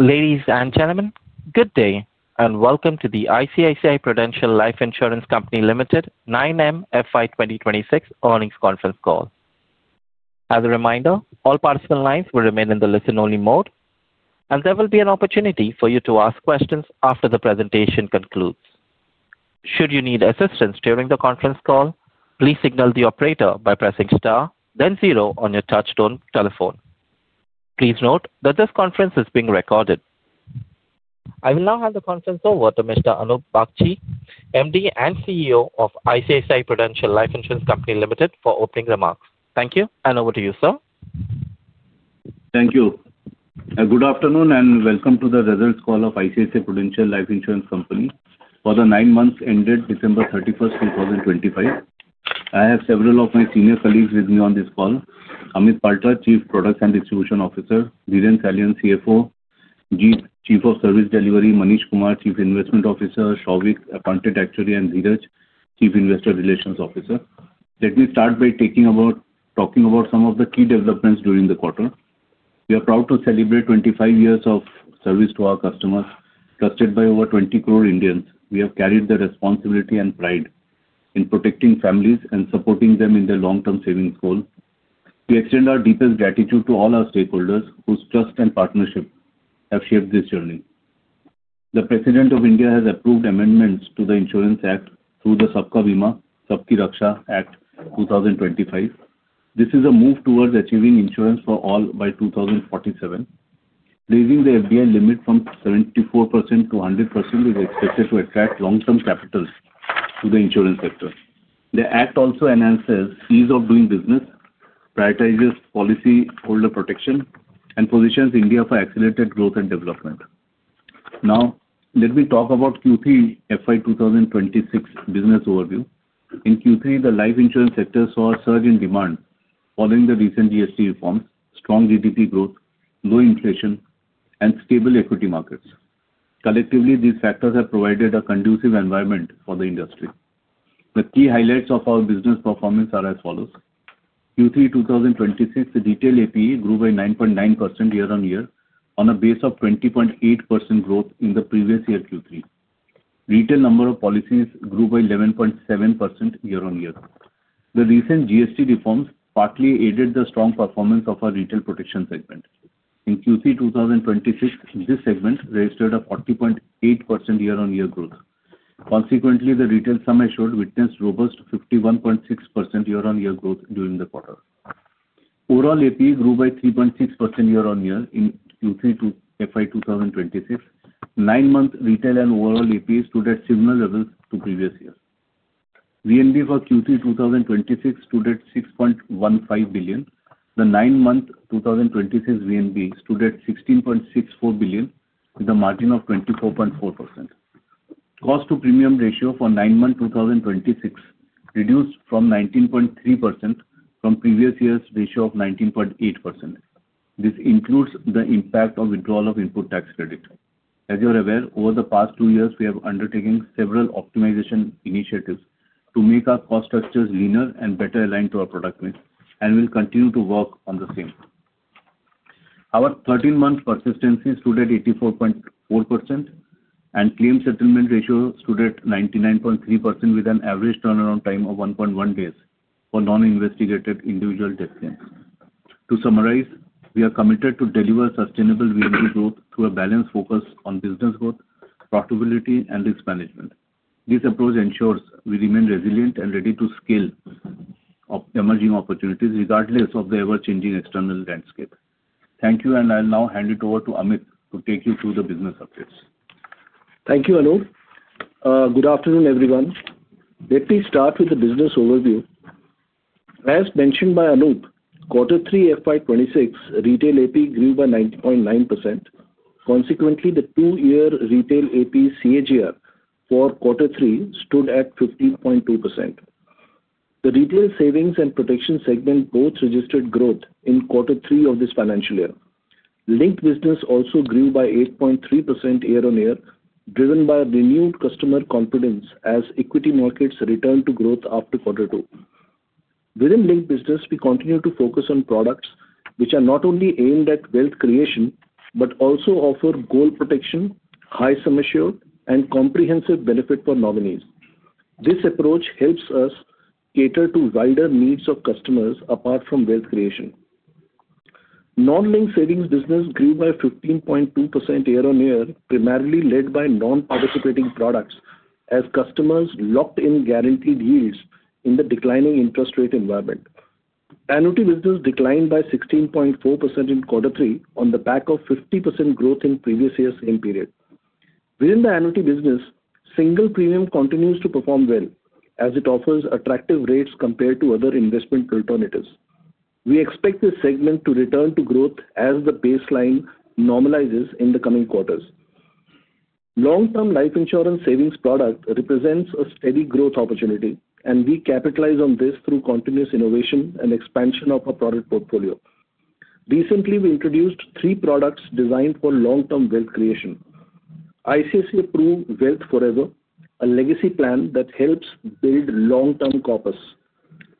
Ladies and gentlemen, good day and welcome to the ICICI Prudential Life Insurance Company Limited 9M FY 2026 earnings conference call. As a reminder, all participant lines will remain in the listen-only mode, and there will be an opportunity for you to ask questions after the presentation concludes. Should you need assistance during the conference call, please signal the operator by pressing star, then zero on your touch-tone telephone. Please note that this conference is being recorded. I will now hand the conference over to Mr. Anup Bagchi, MD and CEO of ICICI Prudential Life Insurance Company Limited, for opening remarks. Thank you, and over to you, sir. Thank you. Good afternoon and welcome to the results call of ICICI Prudential Life Insurance Company for the nine months ended December 31st, 2025. I have several of my senior colleagues with me on this call: Amit Palta, Chief Product and Distribution Officer; Dhiren Salian, CFO; Chief of Service Delivery; Manish Kumar, Chief Investment Officer; Souvik, Appointed Actuary; and Dhiraj, Chief Investor Relations Officer. Let me start by talking about some of the key developments during the quarter. We are proud to celebrate 25 years of service to our customers, trusted by over 20 crore Indians. We have carried the responsibility and pride in protecting families and supporting them in their long-term savings goals. We extend our deepest gratitude to all our stakeholders whose trust and partnership have shaped this journey. The President of India has approved amendments to the Insurance Act through the Sabka Bima Sabki Raksha Act 2025. This is a move towards achieving insurance for all by 2047. Raising the FDI limit from 74% to 100% is expected to attract long-term capital to the insurance sector. The act also enhances ease of doing business, prioritizes policyholder protection, and positions India for accelerated growth and development. Now, let me talk about Q3 FY 2026 business overview. In Q3, the life insurance sector saw a surge in demand following the recent GST reforms, strong GDP growth, low inflation, and stable equity markets. Collectively, these factors have provided a conducive environment for the industry. The key highlights of our business performance are as follows: Q3 2026, the retail APE grew by 9.9% year-on-year on a base of 20.8% growth in the previous year Q3. Retail number of policies grew by 11.7% year-on-year. The recent GST reforms partly aided the strong performance of our retail protection segment. In Q3 2026, this segment registered a 40.8% year-on-year growth. Consequently, the retail Sum Assured witnessed robust 51.6% year-on-year growth during the quarter. Overall APE grew by 3.6% year-on-year in Q3 FY 2026. Nine-month retail and overall APE stood at similar levels to previous year. VNB for Q3 2026 stood at 6.15 billion. The nine-month 2026 VNB stood at 16.64 billion with a margin of 24.4%. cost-to-premium ratio for nine-month 2026 reduced from 19.3% from previous year's ratio of 19.8%. This includes the impact of withdrawal of input tax credit. As you are aware, over the past two years, we have undertaken several optimization initiatives to make our cost structures leaner and better aligned to our product base, and we'll continue to work on the same. Our 13-month persistency stood at 84.4%, and claim settlement ratio stood at 99.3% with an average turnaround time of 1.1 days for non-investigated individual death claims. To summarize, we are committed to deliver sustainable VNB growth through a balanced focus on business growth, profitability, and risk management. This approach ensures we remain resilient and ready to scale emerging opportunities regardless of the ever-changing external landscape. Thank you, and I'll now hand it over to Amit to take you through the business updates. Thank you, Anup. Good afternoon, everyone. Let me start with the business overview. As mentioned by Anup, Q3 FY 2026 retail APE grew by 9.9%. Consequently, the two-year retail APE CAGR for Q3 stood at 15.2%. The retail savings and protection segment both registered growth in quarter three of this financial year. Linked business also grew by 8.3% year-on-year, driven by renewed customer confidence as equity markets returned to growth after quarter two. Within linked business, we continue to focus on products which are not only aimed at wealth creation but also offer goal protection, high sum assured, and comprehensive benefit for nominees. This approach helps us cater to wider needs of customers apart from wealth creation. Non-linked savings business grew by 15.2% year-on-year, primarily led by non-participating products as customers locked in guaranteed yields in the declining interest rate environment. annuity business declined by 16.4% in Q3 on the back of 50% growth in previous year's same period. Within the annuity business, single premium continues to perform well as it offers attractive rates compared to other investment alternatives. We expect this segment to return to growth as the baseline normalizes in the coming quarters. Long-term life insurance savings product represents a steady growth opportunity, and we capitalize on this through continuous innovation and expansion of our product portfolio. Recently, we introduced three products designed for long-term wealth creation: ICICI Pru Wealth Forever, a legacy plan that helps build long-term corpus.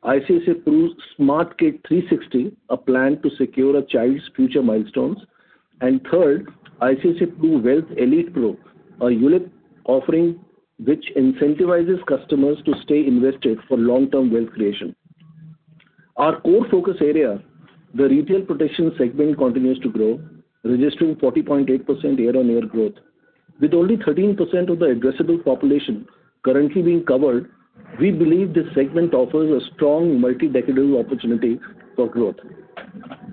ICICI Pru SmartKid 360, a plan to secure a child's future milestones. And third, ICICI Pru Wealth Elite Pro, a unit offering which incentivizes customers to stay invested for long-term wealth creation. Our core focus area, the retail protection segment, continues to grow, registering 40.8% year-on-year growth. With only 13% of the addressable population currently being covered, we believe this segment offers a strong multi-decade opportunity for growth.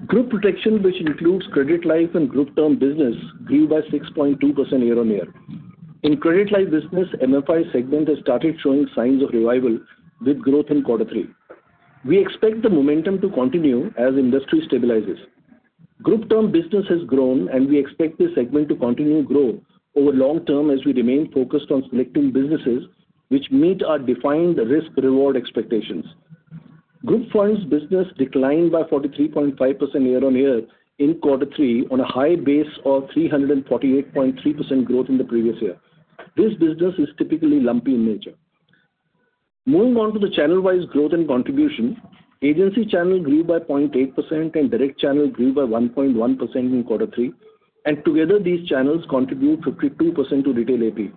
Group protection, which includes credit life and group term business, grew by 6.2% year-on-year. In credit life business, MFI segment has started showing signs of revival with growth in quarter three. We expect the momentum to continue as industry stabilizes. Group term business has grown, and we expect this segment to continue to grow over long term as we remain focused on selecting businesses which meet our defined risk-reward expectations. Group funds business declined by 43.5% year-on-year in quarter three on a high base of 348.3% growth in the previous year. This business is typically lumpy in nature. Moving on to the channel-wise growth and contribution, agency channel grew by 0.8% and direct channel grew by 1.1% in quarter three, and together, these channels contribute 52% to retail AP.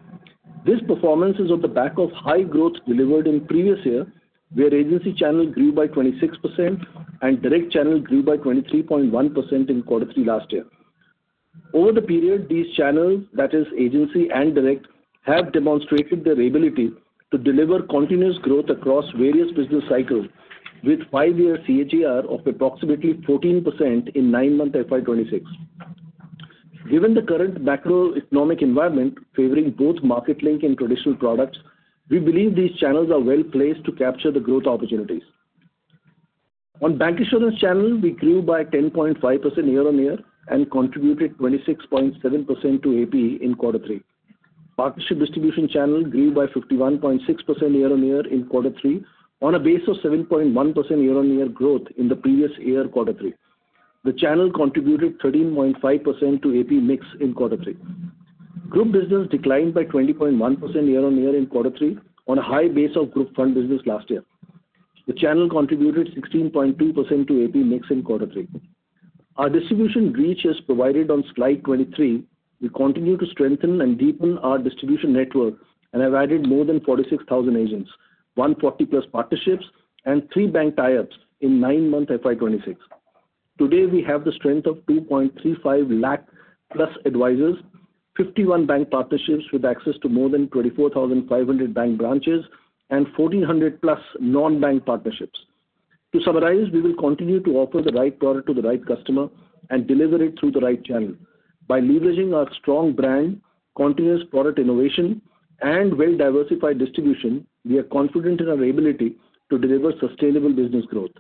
This performance is on the back of high growth delivered in previous year, where agency channel grew by 26% and direct channel grew by 23.1% in quarter three last year. Over the period, these channels, that is, agency and direct, have demonstrated their ability to deliver continuous growth across various business cycles with five-year CAGR of approximately 14% in nine-month FY 2026. Given the current macroeconomic environment favoring both market link and traditional products, we believe these channels are well placed to capture the growth opportunities. On bancassurance channel, we grew by 10.5% year-on-year and contributed 26.7% to AP in Q3. Partnership distribution channel grew by 51.6% year-on-year in quarter three on a base of 7.1% year-on-year growth in the previous year Q3. The channel contributed 13.5% to AP mix in quarter three. Group business declined by 20.1% year-on-year in quarter three on a high base of group fund business last year. The channel contributed 16.2% to AP mix in quarter three. Our distribution reach is provided on slide 23. We continue to strengthen and deepen our distribution network and have added more than 46,000 agents, 140 partnerships, and three bank tie-ups in nine-month FY 2026. Today, we have the strength of 2.35+ lakh advisors, 51 bank partnerships with access to more than 24,500 bank branches, and 1,400+ non-bank partnerships. To summarize, we will continue to offer the right product to the right customer and deliver it through the right channel. By leveraging our strong brand, continuous product innovation, and well-diversified distribution, we are confident in our ability to deliver sustainable business growth.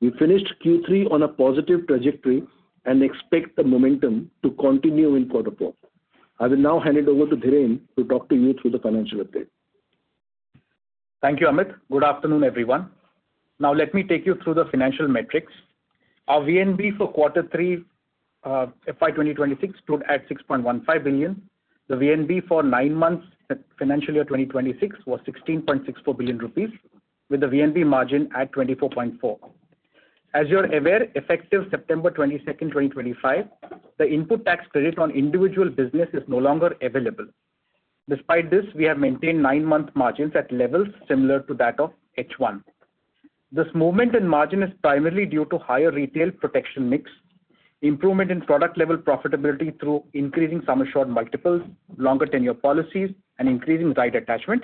We finished Q3 on a positive trajectory and expect the momentum to continue in Q4. I will now hand it over to Dhiren to talk to you through the financial update. Thank you, Amit. Good afternoon, everyone. Now, let me take you through the financial metrics. Our VNB for quarter three FY 2026 stood at 6.15 billion. The VNB for nine months financial year 2026 was 16.64 billion rupees, with the VNB margin at 24.4%. As you are aware, effective September 22nd, 2025, the input tax credit on individual business is no longer available. Despite this, we have maintained nine-month margins at levels similar to that of H1. This movement in margin is primarily due to higher retail protection mix, improvement in product-level profitability through increasing sum assured multiples, longer tenure policies, and increasing right attachment,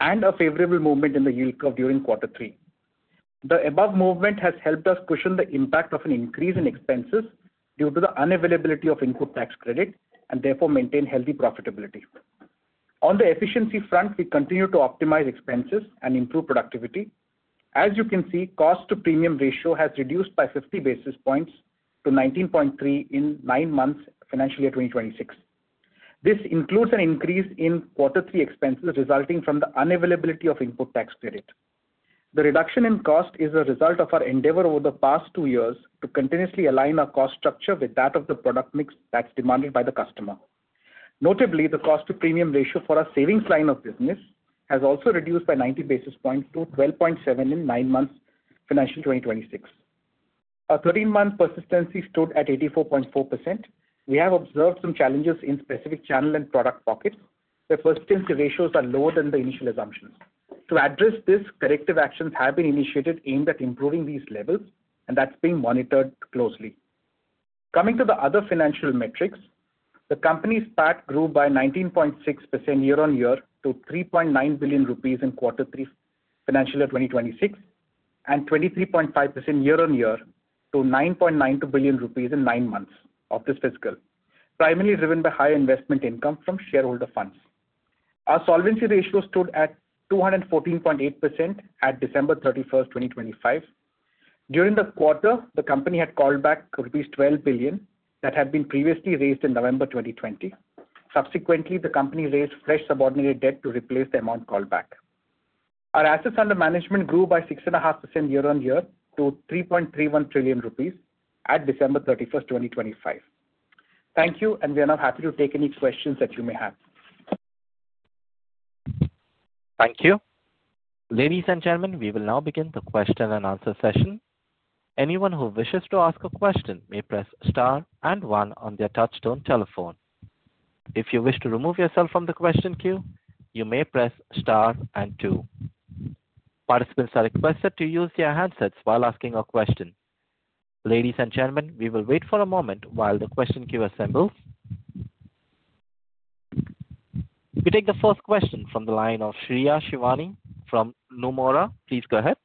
and a favorable movement in the yield curve during quarter three. The above movement has helped us cushion the impact of an increase in expenses due to the unavailability of input tax credit and therefore maintain healthy profitability. On the efficiency front, we continue to optimize expenses and improve productivity. As you can see, cost-to-premium ratio has reduced by 50 basis points to 19.3 in nine months financial year 2026. This includes an increase in Q3 expenses resulting from the unavailability of input tax credit. The reduction in cost is a result of our endeavor over the past two years to continuously align our cost structure with that of the product mix that's demanded by the customer. Notably, the cost-to-premium ratio for our savings line of business has also reduced by 90 basis points to 12.7 in nine months financial 2026. Our 13-month persistency stood at 84.4%. We have observed some challenges in specific channel and product pockets, where persistency ratios are lower than the initial assumptions. To address this, corrective actions have been initiated aimed at improving these levels, and that's being monitored closely. Coming to the other financial metrics, the company's PAT grew by 19.6% year-on-year to 3.9 billion rupees in Q3 financial year 2026 and 23.5% year-on-year to 9.92 billion rupees in nine months of this fiscal, primarily driven by higher investment income from shareholder funds. Our solvency ratio stood at 214.8% at December 31st, 2025. During the quarter, the company had called back rupees 12 billion that had been previously raised in November 2020. Subsequently, the company raised fresh subordinated debt to replace the amount called back. Our assets under management grew by 6.5% year-on-year to 3.31 trillion rupees at December 31st, 2025. Thank you, and we are now happy to take any questions that you may have. Thank you. Ladies and gentlemen, we will now begin the question-and-answer session. Anyone who wishes to ask a question may press star and one on their touch-tone telephone. If you wish to remove yourself from the question queue, you may press star and two. Participants are requested to use their handsets while asking a question. Ladies and gentlemen, we will wait for a moment while the question queue assembles. We take the first question from the line of Shreya Shivani from Nomura. Please go ahead.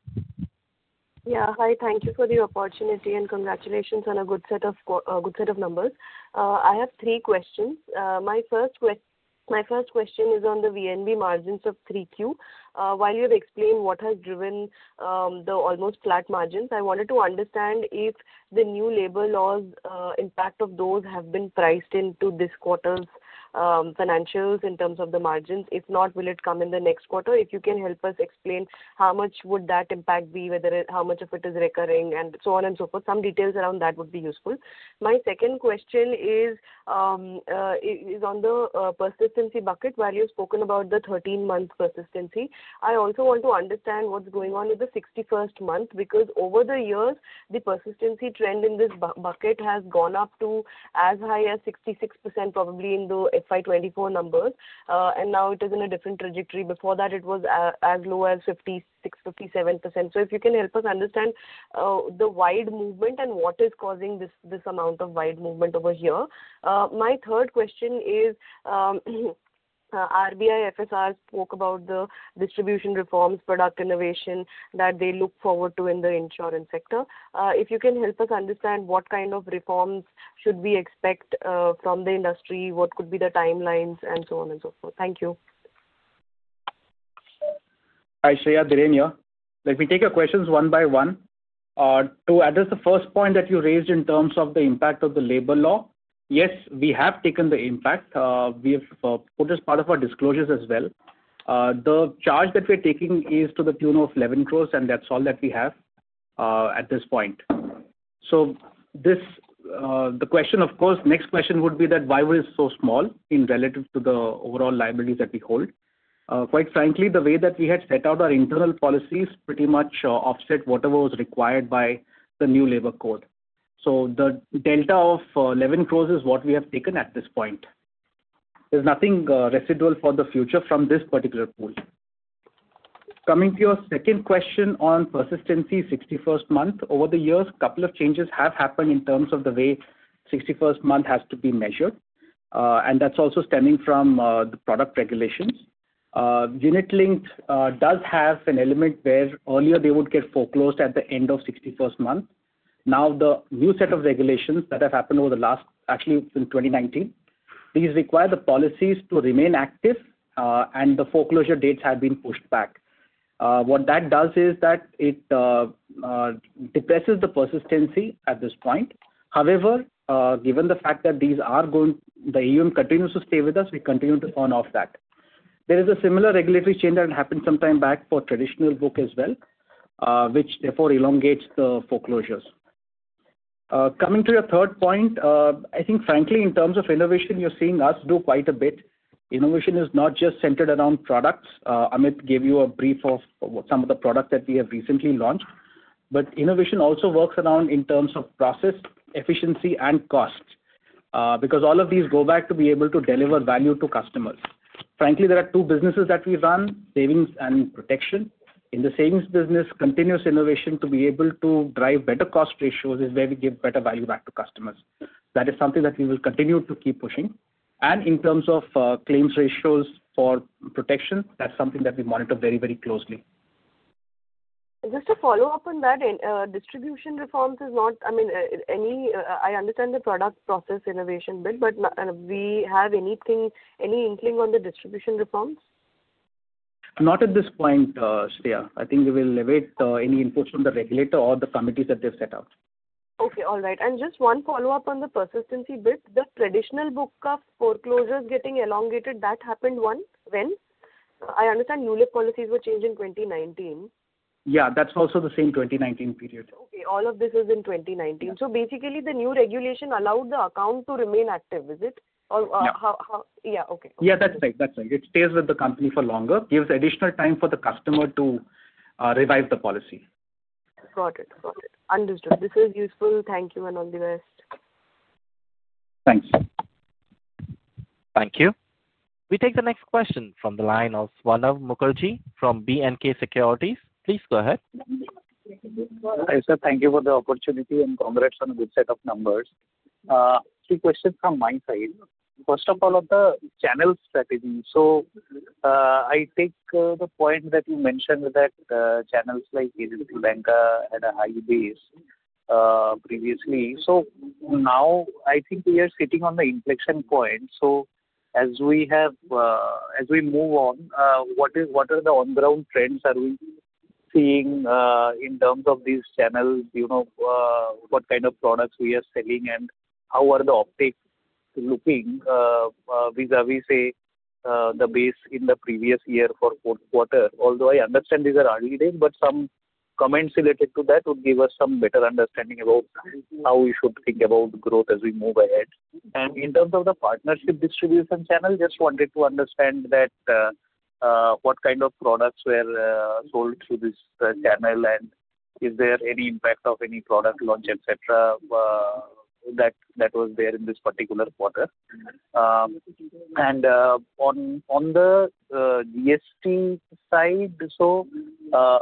Yeah, hi. Thank you for the opportunity and congratulations on a good set of numbers. I have three questions. My first question is on the VNB margins of 3Q. While you have explained what has driven the almost flat margins, I wanted to understand if the new labor laws' impact of those have been priced into this quarter's financials in terms of the margins. If not, will it come in the next quarter? If you can help us explain how much would that impact be, whether how much of it is recurring and so on and so forth, some details around that would be useful. My second question is on the persistency bucket. While you've spoken about the 13-month persistency, I also want to understand what's going on with the 61st month because over the years, the persistency trend in this bucket has gone up to as high as 66% probably in the FY 2024 numbers, and now it is in a different trajectory. Before that, it was as low as 56%-57%. So if you can help us understand the wide movement and what is causing this amount of wide movement over here. My third question is RBI FSR spoke about the distribution reforms, product innovation that they look forward to in the insurance sector. If you can help us understand what kind of reforms should we expect from the industry, what could be the timelines, and so on and so forth. Thank you. Hi, Shreya. Dhiren here. Let me take your questions one by one. To address the first point that you raised in terms of the impact of the labor law, yes, we have taken the impact. We have put as part of our disclosures as well. The charge that we are taking is to the tune of 11 crores, and that's all that we have at this point. So the question, of course, next question would be that why we're so small in relative to the overall liabilities that we hold. Quite frankly, the way that we had set out our internal policies pretty much offset whatever was required by the new labor code. So the delta of 11 crores is what we have taken at this point. There's nothing residual for the future from this particular pool. Coming to your second question on persistency 61st month, over the years, a couple of changes have happened in terms of the way 61st month has to be measured, and that's also stemming from the product regulations. Unit-linked does have an element where earlier they would get foreclosed at the end of 61st month. Now, the new set of regulations that have happened over the last, actually since 2019, these require the policies to remain active, and the foreclosure dates have been pushed back. What that does is that it depresses the persistency at this point. However, given the fact that these are going, the ULIPs continue to stay with us, we continue to fend off that. There is a similar regulatory change that happened some time back for traditional book as well, which therefore elongates the foreclosures. Coming to your third point, I think frankly, in terms of innovation, you're seeing us do quite a bit. Innovation is not just centered around products. Amit gave you a brief of some of the products that we have recently launched, but innovation also works around in terms of process, efficiency, and cost because all of these go back to be able to deliver value to customers. Frankly, there are two businesses that we run: savings and protection. In the savings business, continuous innovation to be able to drive better cost ratios is where we give better value back to customers. That is something that we will continue to keep pushing. And in terms of claims ratios for protection, that's something that we monitor very, very closely. Just to follow up on that, distribution reforms is not, I mean, any I understand the product process innovation bit, but do we have anything, any inkling on the distribution reforms? Not at this point, Shreya. I think we will await any input from the regulator or the committees that they've set out. Okay. All right. And just one follow-up on the persistency bit. The traditional book of foreclosures getting elongated, that happened when? I understand new policies were changed in 2019. Yeah, that's also the same 2019 period. Okay. All of this is in 2019. So basically, the new regulation allowed the account to remain active, is it? Or how? Yeah. Yeah. Okay. Yeah, that's right. That's right. It stays with the company for longer, gives additional time for the customer to revive the policy. Got it. Got it. Understood. This is useful. Thank you and all the best. Thanks. Thank you. We take the next question from the line of Swarnabh Mukherjee from B&K Securities. Please go ahead. Hi, sir. Thank you for the opportunity and congrats on a good set of numbers. Three questions from my side. First of all, on the channel strategy. So I take the point that you mentioned that channels like bank had a high base previously. So now, I think we are sitting on the inflection point. So as we move on, what are the on-ground trends we are seeing in terms of these channels? What kind of products we are selling and how are the optics looking vis-à-vis, say, the base in the previous year for fourth quarter? Although I understand these are early days, but some comments related to that would give us some better understanding about how we should think about growth as we move ahead. In terms of the partnership distribution channel, just wanted to understand that what kind of products were sold through this channel and is there any impact of any product launch, etc., that was there in this particular quarter. On the GST side, are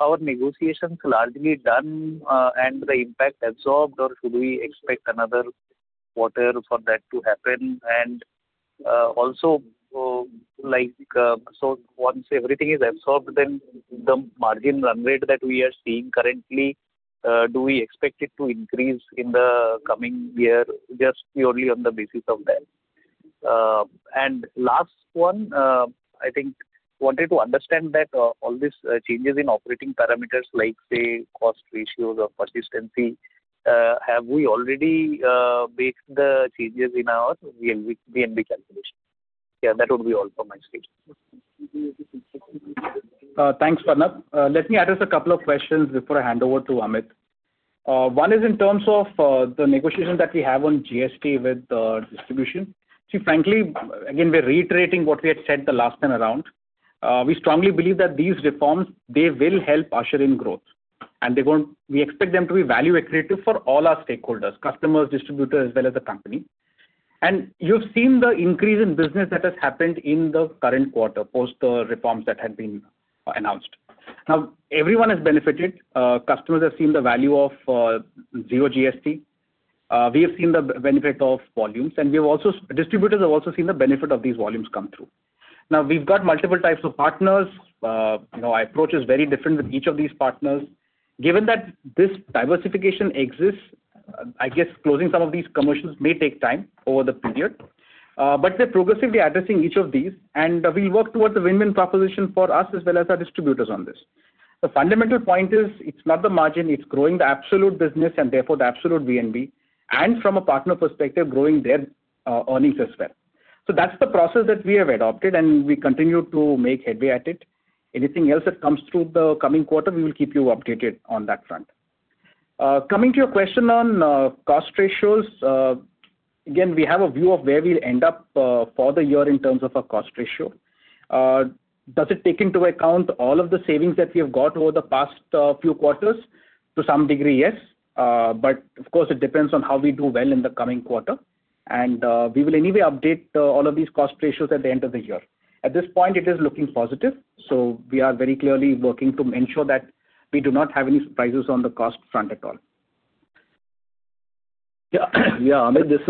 our negotiations largely done and the impact absorbed or should we expect another quarter for that to happen? Once everything is absorbed, then the margin run rate that we are seeing currently, do we expect it to increase in the coming year just purely on the basis of that? Last one, I think wanted to understand that all these changes in operating parameters like, say, cost ratios or persistency, have we already based the changes in our VNB calculation? Yeah, that would be all from my side. Thanks, Swarnabh. Let me address a couple of questions before I hand over to Amit. One is in terms of the negotiations that we have on GST with distribution. See, frankly, again, we're reiterating what we had said the last time around. We strongly believe that these reforms, they will help usher in growth, and we expect them to be value-accretive for all our stakeholders, customers, distributors, as well as the company. And you've seen the increase in business that has happened in the current quarter post the reforms that had been announced. Now, everyone has benefited. Customers have seen the value of zero GST. We have seen the benefit of volumes, and we have also distributors have also seen the benefit of these volumes come through. Now, we've got multiple types of partners. My approach is very different with each of these partners. Given that this diversification exists, I guess closing some of these commercials may take time over the period, but we're progressively addressing each of these, and we'll work towards a win-win proposition for us as well as our distributors on this. The fundamental point is it's not the margin, it's growing the absolute business and therefore the absolute VNB, and from a partner perspective, growing their earnings as well. So that's the process that we have adopted, and we continue to make headway at it. Anything else that comes through the coming quarter, we will keep you updated on that front. Coming to your question on cost ratios, again, we have a view of where we'll end up for the year in terms of our cost ratio. Does it take into account all of the savings that we have got over the past few quarters? To some degree, yes. But of course, it depends on how we do well in the coming quarter, and we will anyway update all of these cost ratios at the end of the year. At this point, it is looking positive, so we are very clearly working to ensure that we do not have any surprises on the cost front at all. Amit this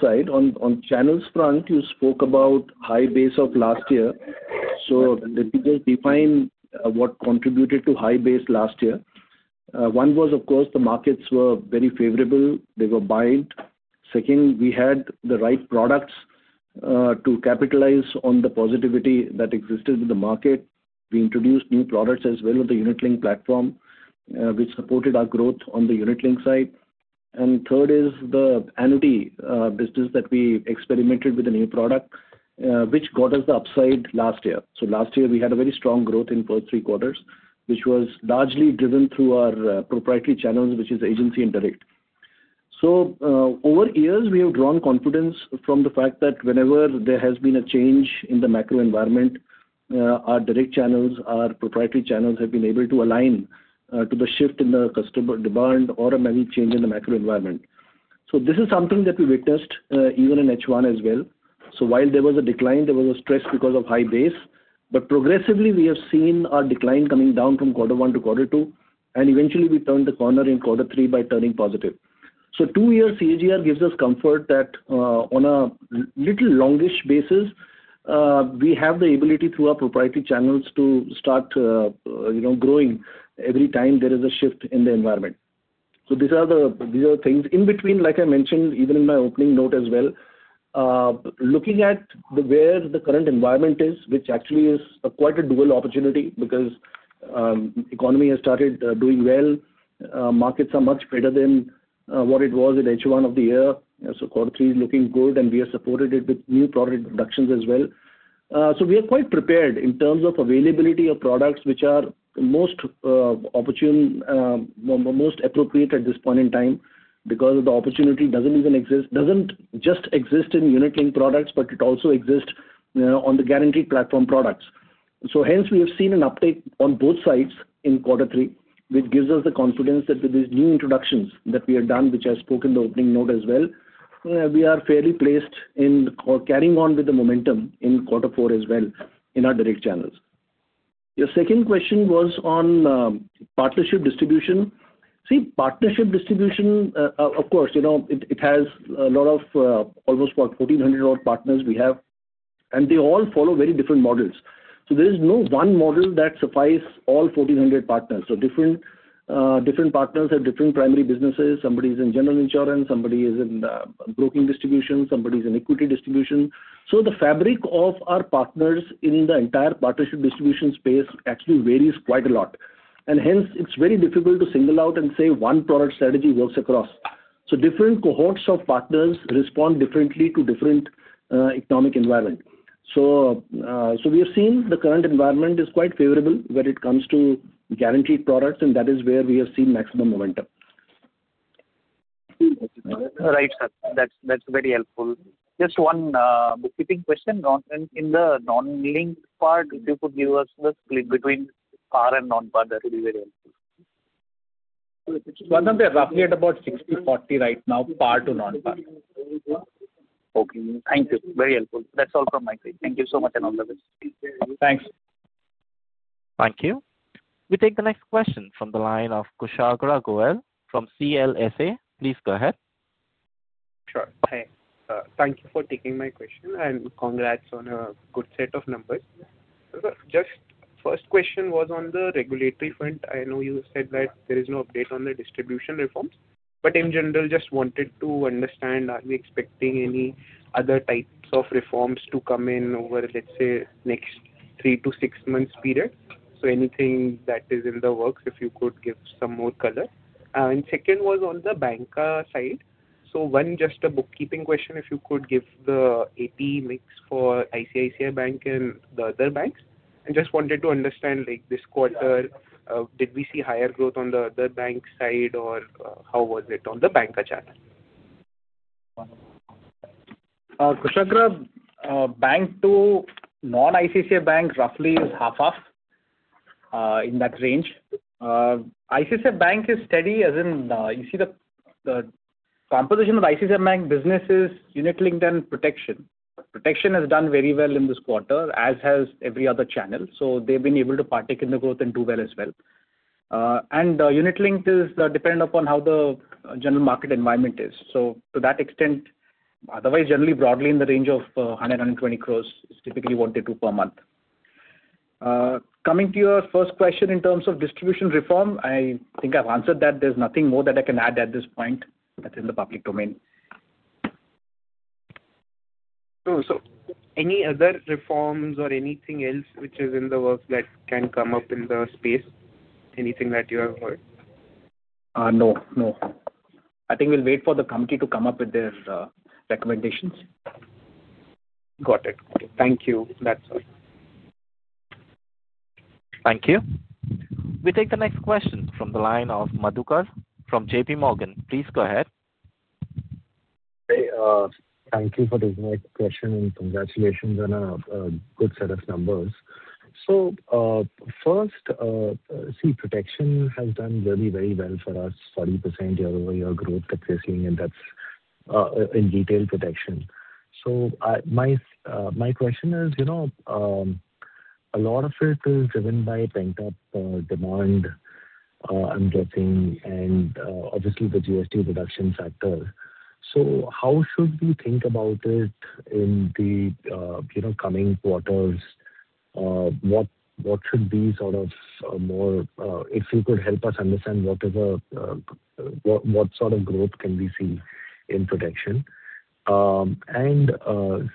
side. On channels front, you spoke about high base of last year. So let me just define what contributed to high base last year. One was, of course, the markets were very favorable. They were bull. Second, we had the right products to capitalize on the positivity that existed in the market. We introduced new products as well with the unit-linked platform, which supported our growth on the unit-linked side. And third is the annuity business that we experimented with a new product, which got us the upside last year. So last year, we had a very strong growth in first three quarters, which was largely driven through our proprietary channels, which is agency and direct. So over years, we have drawn confidence from the fact that whenever there has been a change in the macro environment, our direct channels, our proprietary channels have been able to align to the shift in the customer demand or any change in the macro environment. So this is something that we witnessed even in H1 as well. So while there was a decline, there was a stress because of high base, but progressively, we have seen our decline coming down from quarter one to quarter two, and eventually, we turned the corner in quarter three by turning positive. So two years, CAGR gives us comfort that on a little longish basis, we have the ability through our proprietary channels to start growing every time there is a shift in the environment. These are the things in between, like I mentioned, even in my opening note as well, looking at where the current environment is, which actually is quite a dual opportunity because the economy has started doing well. Markets are much better than what it was in H1 of the year. So quarter three is looking good, and we have supported it with new product productions as well. So we are quite prepared in terms of availability of products, which are most opportune, most appropriate at this point in time because the opportunity doesn't even exist, doesn't just exist in unit linked products, but it also exists on the guaranteed platform products. So hence, we have seen an uptake on both sides in quarter three, which gives us the confidence that with these new introductions that we have done, which I spoke in the opening note as well, we are fairly placed in or carrying on with the momentum in quarter four as well in our direct channels. Your second question was on partnership distribution. See, partnership distribution, of course, it has a lot of almost 1,400 partners we have, and they all follow very different models. So there is no one model that suffices all 1,400 partners. So different partners have different primary businesses. Somebody is in general insurance, somebody is in broking distribution, somebody is in equity distribution. So the fabric of our partners in the entire partnership distribution space actually varies quite a lot. And hence, it's very difficult to single out and say one product strategy works across. So different cohorts of partners respond differently to different economic environment. So we have seen the current environment is quite favorable when it comes to guaranteed products, and that is where we have seen maximum momentum. Right, sir. That's very helpful. Just one bookkeeping question. In the non-linked part, if you could give us the split between PAR and non-PAR, that would be very helpful. Swarnabh, they're roughly at about 60/40 right now, PAR to non-PAR. Okay. Thank you. Very helpful. That's all from my side. Thank you so much and all the best. Thanks. Thank you. We take the next question from the line of Kushagra Goel from CLSA. Please go ahead. Sure. Hi. Thank you for taking my question and congrats on a good set of numbers. Just first question was on the regulatory front. I know you said that there is no update on the distribution reforms, but in general, just wanted to understand, are we expecting any other types of reforms to come in over, let's say, next three to six months period? So anything that is in the works, if you could give some more color. And second was on the Bank side. So one, just a bookkeeping question, if you could give the AP mix for ICICI Bank and the other banks. And just wanted to understand this quarter, did we see higher growth on the other bank side or how was it on the Bank channel? Kushagra, bancassurance to non-ICICI Bank roughly is half-half in that range. ICICI Bank is steady, as in you see the composition of ICICI Bank business is unit linked and protection. Protection has done very well in this quarter, as has every other channel. So they've been able to partake in the growth and do well as well. Unit linked is dependent upon how the general market environment is. So to that extent, otherwise, generally broadly in the range of 100 crore-120 crore is typically one to two per month. Coming to your first question in terms of distribution reform, I think I've answered that. There's nothing more that I can add at this point that's in the public domain. So any other reforms or anything else which is in the works that can come up in the space? Anything that you have heard? No. No. I think we'll wait for the committee to come up with their recommendations. Got it. Thank you. That's all. Thank you. We take the next question from the line of [Madhukar] from JPMorgan. Please go ahead. Thank you for the question and congratulations on a good set of numbers. So first, see, protection has done very, very well for us, 40% year-over-year growth that we're seeing, and that's in retail protection. So my question is a lot of it is driven by bancassurance demand, I'm guessing, and obviously the GST reduction factor. So how should we think about it in the coming quarters? What should be sort of more if you could help us understand what sort of growth can we see in protection? And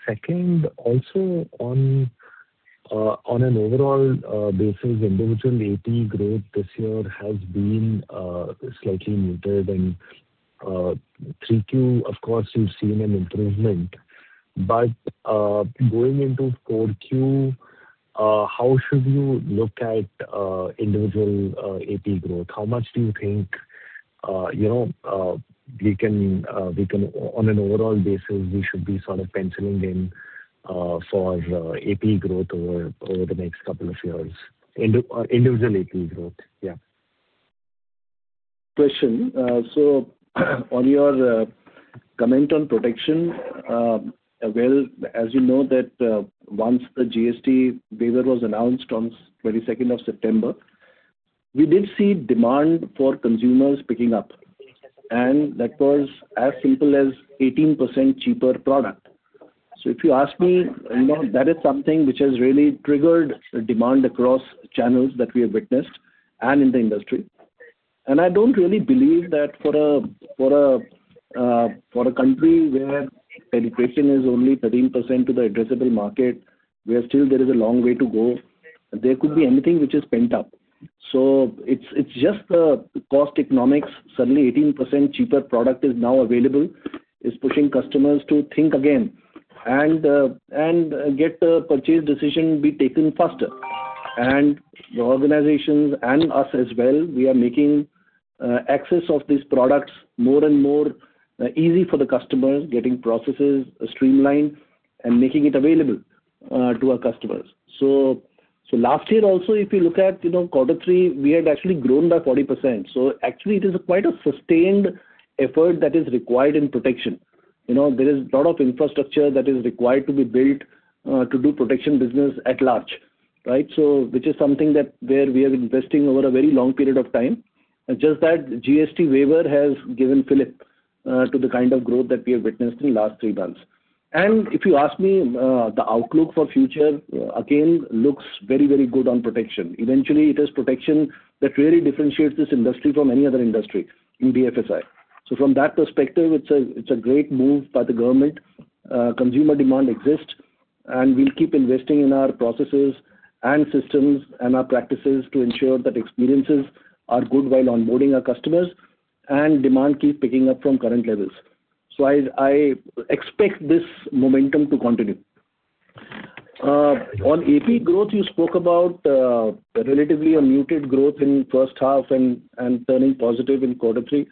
second, also on an overall basis, individual AP growth this year has been slightly muted. And 3Q, of course, you've seen an improvement, but going into 4Q, how should you look at individual AP growth? How much do you think we can, on an overall basis, we should be sort of penciling in for AP growth over the next couple of years? Individual AP growth. Yeah. Question. So on your comment on protection, well, as you know, that once the GST waiver was announced on 22nd of September, we did see demand for consumers picking up, and that was as simple as 18% cheaper product. So if you ask me, that is something which has really triggered demand across channels that we have witnessed and in the industry. And I don't really believe that for a country where penetration is only 13% to the addressable market, where still there is a long way to go, there could be anything which is pent up. So it's just the cost economics. Suddenly, an 18% cheaper product is now available, which is pushing customers to think again and get the purchase decision be taken faster. The organizations and us as well, we are making access of these products more and more easy for the customers, getting processes streamlined and making it available to our customers. Last year also, if you look at quarter three, we had actually grown by 40%. It is quite a sustained effort that is required in protection. There is a lot of infrastructure that is required to be built to do protection business at large, right? This is something that where we are investing over a very long period of time. Just that GST waiver has given fillip to the kind of growth that we have witnessed in the last three months. If you ask me, the outlook for the future again looks very, very good on protection. Eventually, it is protection that really differentiates this industry from any other industry in BFSI. So from that perspective, it's a great move by the government. Consumer demand exists, and we'll keep investing in our processes and systems and our practices to ensure that experiences are good while onboarding our customers and demand keeps picking up from current levels. So I expect this momentum to continue. On APE growth, you spoke about relatively unmuted growth in the first half and turning positive in quarter three.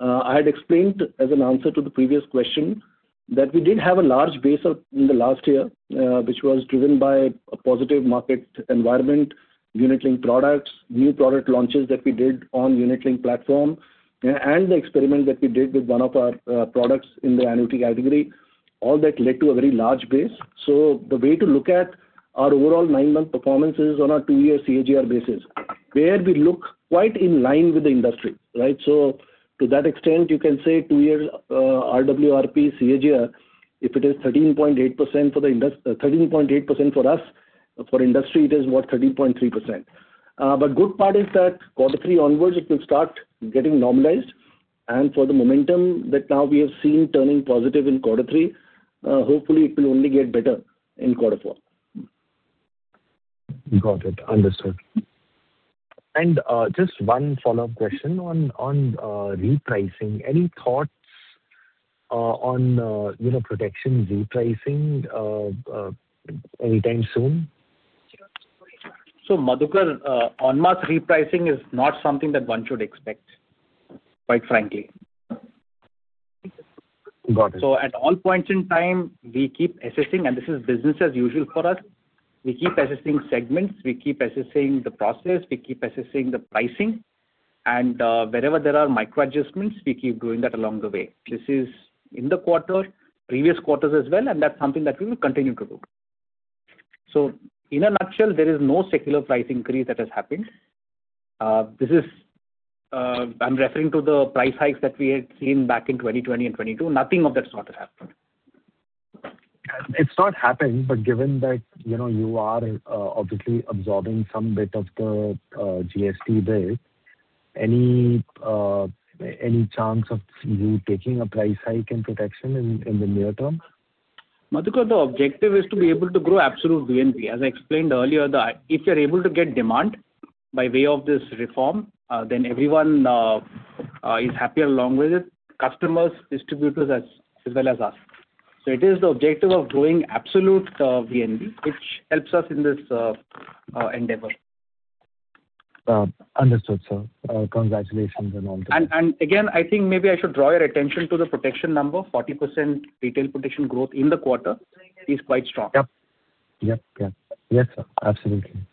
I had explained as an answer to the previous question that we did have a large base in the last year, which was driven by a positive market environment, unit linked products, new product launches that we did on unit linked platform, and the experiment that we did with one of our products in the annuity category. All that led to a very large base. So the way to look at our overall nine-month performance is on a two-year CAGR basis, where we look quite in line with the industry, right? So to that extent, you can say two-year RWRP CAGR, if it is 13.8% for the industry, 13.8% for us, for industry, it is what, 13.3%. But good part is that quarter three onwards, it will start getting normalized. For the momentum that now we have seen turning positive in quarter three, hopefully, it will only get better in quarter four. Got it. Understood. And just one follow-up question on repricing. Any thoughts on protection repricing anytime soon? So [Madhukar], on-month repricing is not something that one should expect, quite frankly. Got it. So at all points in time, we keep assessing, and this is business as usual for us. We keep assessing segments. We keep assessing the process. We keep assessing the pricing. And wherever there are micro-adjustments, we keep doing that along the way. This is in the quarter, previous quarters as well, and that's something that we will continue to do. So in a nutshell, there is no secular price increase that has happened. This is, I'm referring to the price hikes that we had seen back in 2020 and 2022. Nothing of that sort has happened. It's not happened, but given that you are obviously absorbing some bit of the GST bill, any chance of you taking a price hike in protection in the near term? Madhukar, the objective is to be able to grow absolute VNB. As I explained earlier, if you're able to get demand by way of this reform, then everyone is happier along with it, customers, distributors as well as us. So it is the objective of growing absolute VNB, which helps us in this endeavor. Understood, sir. Congratulations on all this. Again, I think maybe I should draw your attention to the protection number. 40% retail protection growth in the quarter is quite strong. Yep. Yep. Yep. Yes, sir. Absolutely.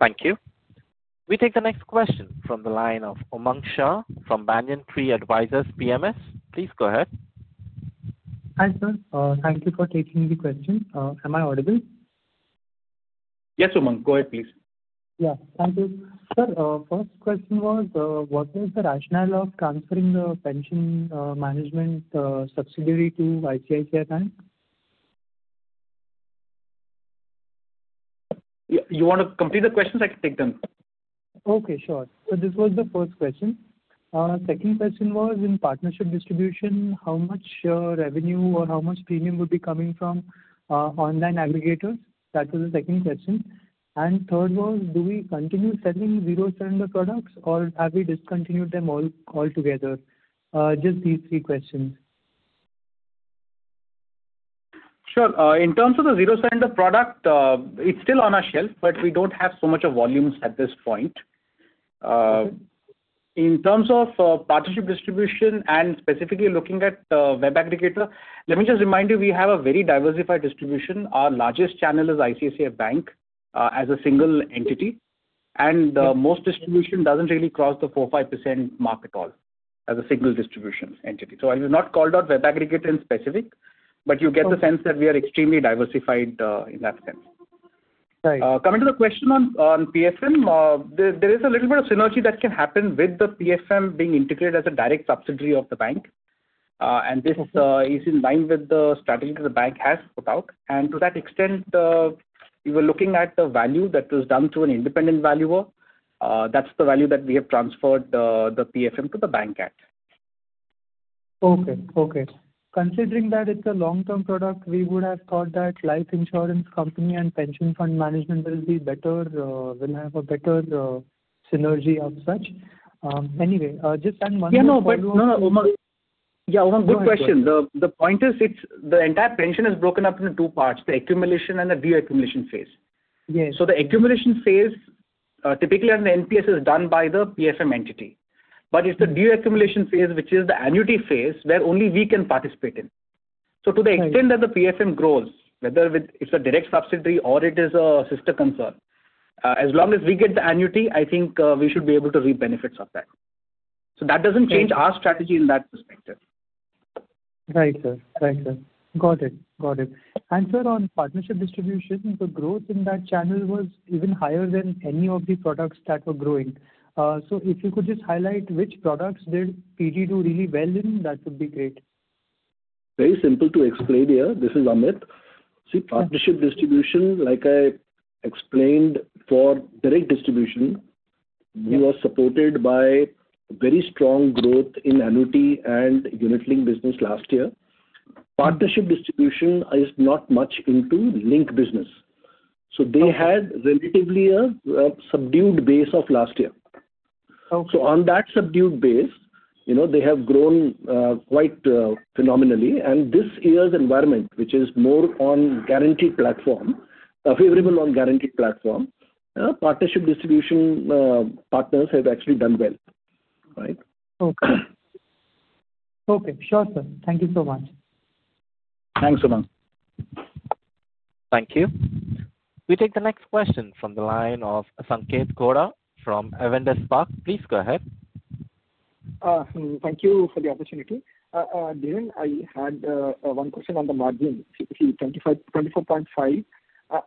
Thank you. We take the next question from the line of Umang Shah from Banyan Tree Advisors PMS. Please go ahead. Hi sir. Thank you for taking the question. Am I audible? Yes, Umang. Go ahead, please. Yeah. Thank you. Sir, first question was, what was the rationale of transferring the pension management subsidiary to ICICI Bank? You want to complete the questions? I can take them. Okay. Sure. So this was the first question. Second question was, in partnership distribution, how much revenue or how much premium would be coming from online aggregators? That was the second question. And third was, do we continue selling zero surrender products or have we discontinued them altogether? Just these three questions. Sure. In terms of the zero surrender product, it's still on our shelf, but we don't have so much of volumes at this point. In terms of partnership distribution and specifically looking at web aggregator, let me just remind you, we have a very diversified distribution. Our largest channel is ICICI Bank as a single entity. And most distribution doesn't really cross the 4%, 5% mark at all as a single distribution entity. So I will not call that web aggregator in specific, but you get the sense that we are extremely diversified in that sense. Coming to the question on PFM, there is a little bit of synergy that can happen with the PFM being integrated as a direct subsidiary of the bank. And this is in line with the strategy that the bank has put out. To that extent, we were looking at the value that was done to an independent valuer. That's the value that we have transferred the PFM to the bank at. Okay. Okay. Considering that it's a long-term product, we would have thought that life insurance company and pension fund management will be better, will have a better synergy of such. Anyway, just one more question. Yeah. No. Yeah. Umang, good question. The point is, the entire pension is broken up into two parts, the accumulation and the de-accumulation phase. So the accumulation phase, typically on the NPS, is done by the PFM entity. But it's the de-accumulation phase, which is the annuity phase, where only we can participate in. So to the extent that the PFM grows, whether it's a direct subsidiary or it is a sister concern, as long as we get the annuity, I think we should be able to reap benefits of that. So that doesn't change our strategy in that perspective. Right. Got it. Sir, on partnership distribution, the growth in that channel was even higher than any of the products that were growing. If you could just highlight which products did PD do really well in, that would be great. Very simple to explain here. This is Amit. See, partnership distribution, like I explained, for direct distribution, we were supported by very strong growth in annuity and unit linked business last year. Partnership distribution is not much into linked business. So they had relatively a subdued base of last year. So on that subdued base, they have grown quite phenomenally. And this year's environment, which is more on guaranteed platform, favorable on guaranteed platform, partnership distribution partners have actually done well, right? Okay. Okay. Sure, sir. Thank you so much. Thanks, Umang. Thank you. We take the next question from the line of Sanketh Godha from Avendus Spark. Please go ahead. Thank you for the opportunity. Dhiren, I had one question on the margin. See, 24.5%,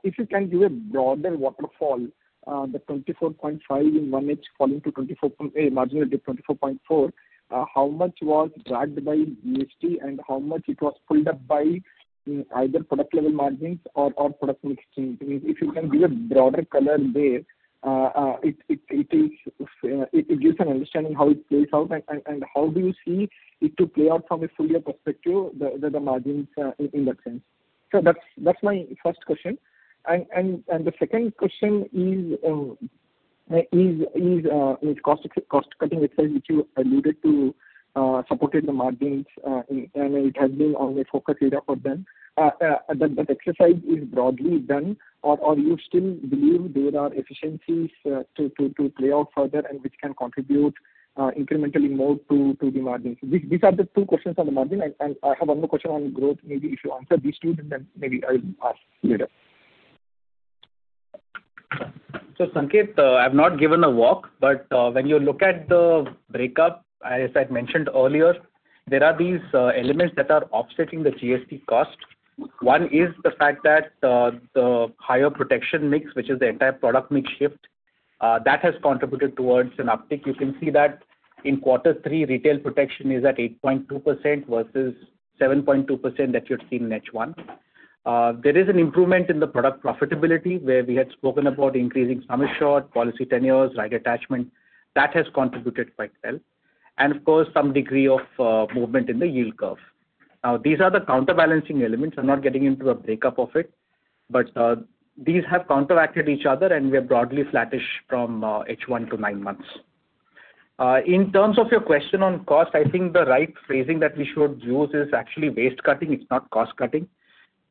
if you can give a broader waterfall, the 24.5% in 1H falling to marginally 24.4%, how much was dragged by GST and how much it was pulled up by either product-level margins or product mix? If you can give a broader color there, it gives an understanding how it plays out and how do you see it to play out from a full-year perspective, the margins in that sense. So that's my first question. And the second question is cost-cutting exercise, which you alluded to, supported the margins, and it has been only a focus area for them. That exercise is broadly done, or you still believe there are efficiencies to play out further and which can contribute incrementally more to the margins? These are the two questions on the margin. And I have one more question on growth. Maybe if you answer these two, then maybe I will ask later. So Sanketh, I've not given a walkthrough, but when you look at the breakup, as I mentioned earlier, there are these elements that are offsetting the GST cost. One is the fact that the higher protection mix, which is the entire product mix shift, that has contributed towards an uptick. You can see that in quarter three, retail protection is at 8.2% versus 7.2% that you've seen in H1. There is an improvement in the product profitability, where we had spoken about increasing sum assured, policy tenures, rider attachment. That has contributed quite well. And of course, some degree of movement in the yield curve. Now, these are the counterbalancing elements. I'm not getting into the breakup of it, but these have counteracted each other, and we are broadly flattish from H1 to nine months. In terms of your question on cost, I think the right phrasing that we should use is actually waste cutting. It's not cost cutting.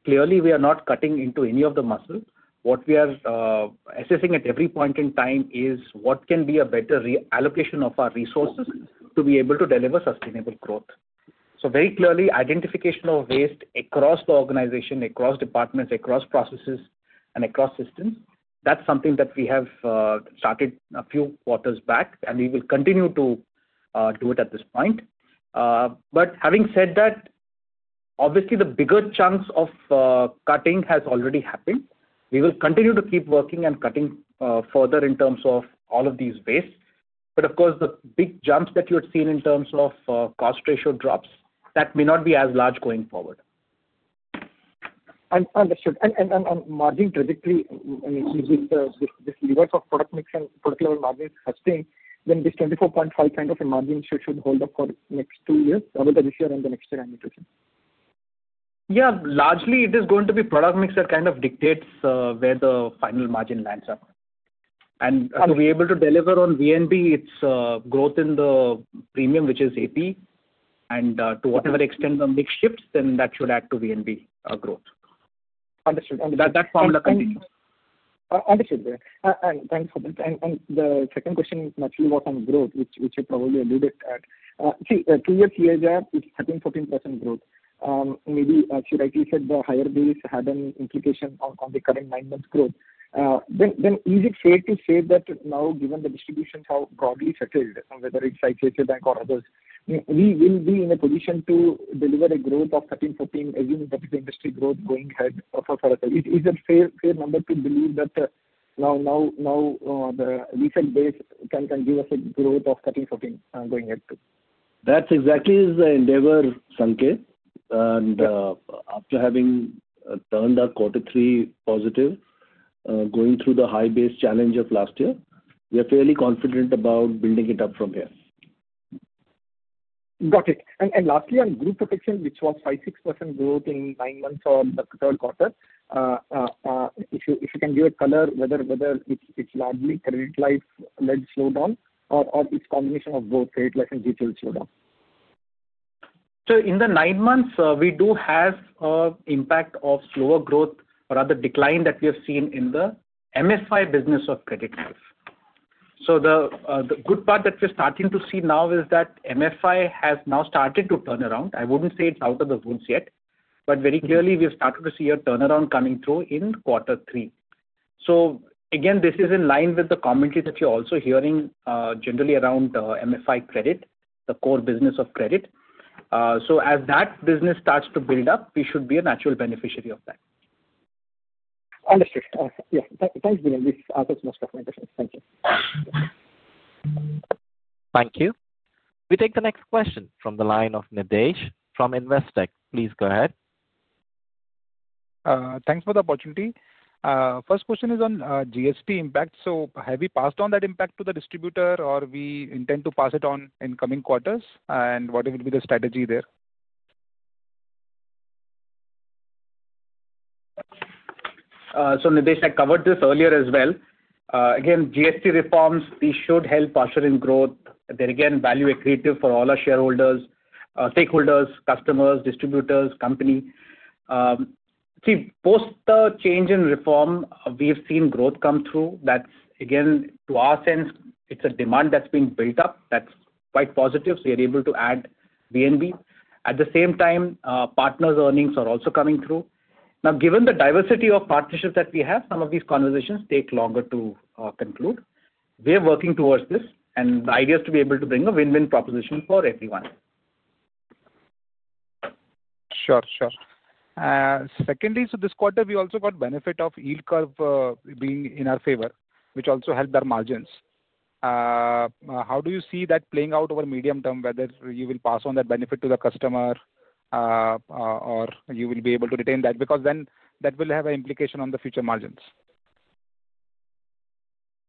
Clearly, we are not cutting into any of the muscle. What we are assessing at every point in time is what can be a better reallocation of our resources to be able to deliver sustainable growth, so very clearly, identification of waste across the organization, across departments, across processes, and across systems, that's something that we have started a few quarters back, and we will continue to do it at this point, but having said that, obviously, the bigger chunks of cutting have already happened. We will continue to keep working and cutting further in terms of all of these waste, but of course, the big jumps that you had seen in terms of cost ratio drops, that may not be as large going forward. Understood. And margin trajectory, with this level of product mix and product-level margin sustained, then this 24.5 kind of a margin should hold up for next two years, whether this year and the next year annuitization? Yeah. Largely, it is going to be product mix that kind of dictates where the final margin lands at. And to be able to deliver on VNB, it's growth in the premium, which is AP, and to whatever extent the mix shifts, then that should add to VNB growth. Understood. And. That formula continues. Understood, and thanks for that, and the second question is naturally what on growth, which you probably alluded at. See, two-year CAGR is 13%.14% growth. Maybe she rightly said the higher base had an implication on the current nine-month growth. Then is it fair to say that now, given the distribution how broadly settled, whether it's ICICI Bank or others, we will be in a position to deliver a growth of 13%, 14%, assuming that is the industry growth going ahead for us? Is it fair number to believe that now the recent base can give us a growth of 13%, 14% going ahead too? That exactly is the endeavor, Sanketh, and after having turned our quarter three positive, going through the high base challenge of last year, we are fairly confident about building it up from here. Got it. And lastly, on group protection, which was 5%-6% growth in nine months or the third quarter, if you can give it color, whether it's largely credit life-led slowdown or it's a combination of both, credit life and retail slowdown? So in the nine months, we do have an impact of slower growth, rather decline that we have seen in the MFI business of credit life. So the good part that we're starting to see now is that MFI has now started to turn around. I wouldn't say it's out of the woods yet, but very clearly, we've started to see a turnaround coming through in quarter three. So again, this is in line with the commentary that you're also hearing generally around MFI credit, the core business of credit. So as that business starts to build up, we should be a natural beneficiary of that. Understood. Yeah. Thanks, Dhiren. This answers most of my questions. Thank you. Thank you. We take the next question from the line of [Nitesh] from Investec. Please go ahead. Thanks for the opportunity. First question is on GST impact. So have we passed on that impact to the distributor, or we intend to pass it on in coming quarters, and what will be the strategy there? So Nitesh, I covered this earlier as well. Again, GST reforms, they should help usher in growth. They're again value-accretive for all our shareholders, stakeholders, customers, distributors, company. See, post the change in reform, we've seen growth come through. That's again, to our sense, it's a demand that's been built up. That's quite positive. So we are able to add VNB. At the same time, partners' earnings are also coming through. Now, given the diversity of partnerships that we have, some of these conversations take longer to conclude. We are working towards this, and the idea is to be able to bring a win-win proposition for everyone. Sure. Sure. Secondly, so this quarter, we also got benefit of yield curve being in our favor, which also helped our margins. How do you see that playing out over medium term, whether you will pass on that benefit to the customer or you will be able to retain that? Because then that will have an implication on the future margins.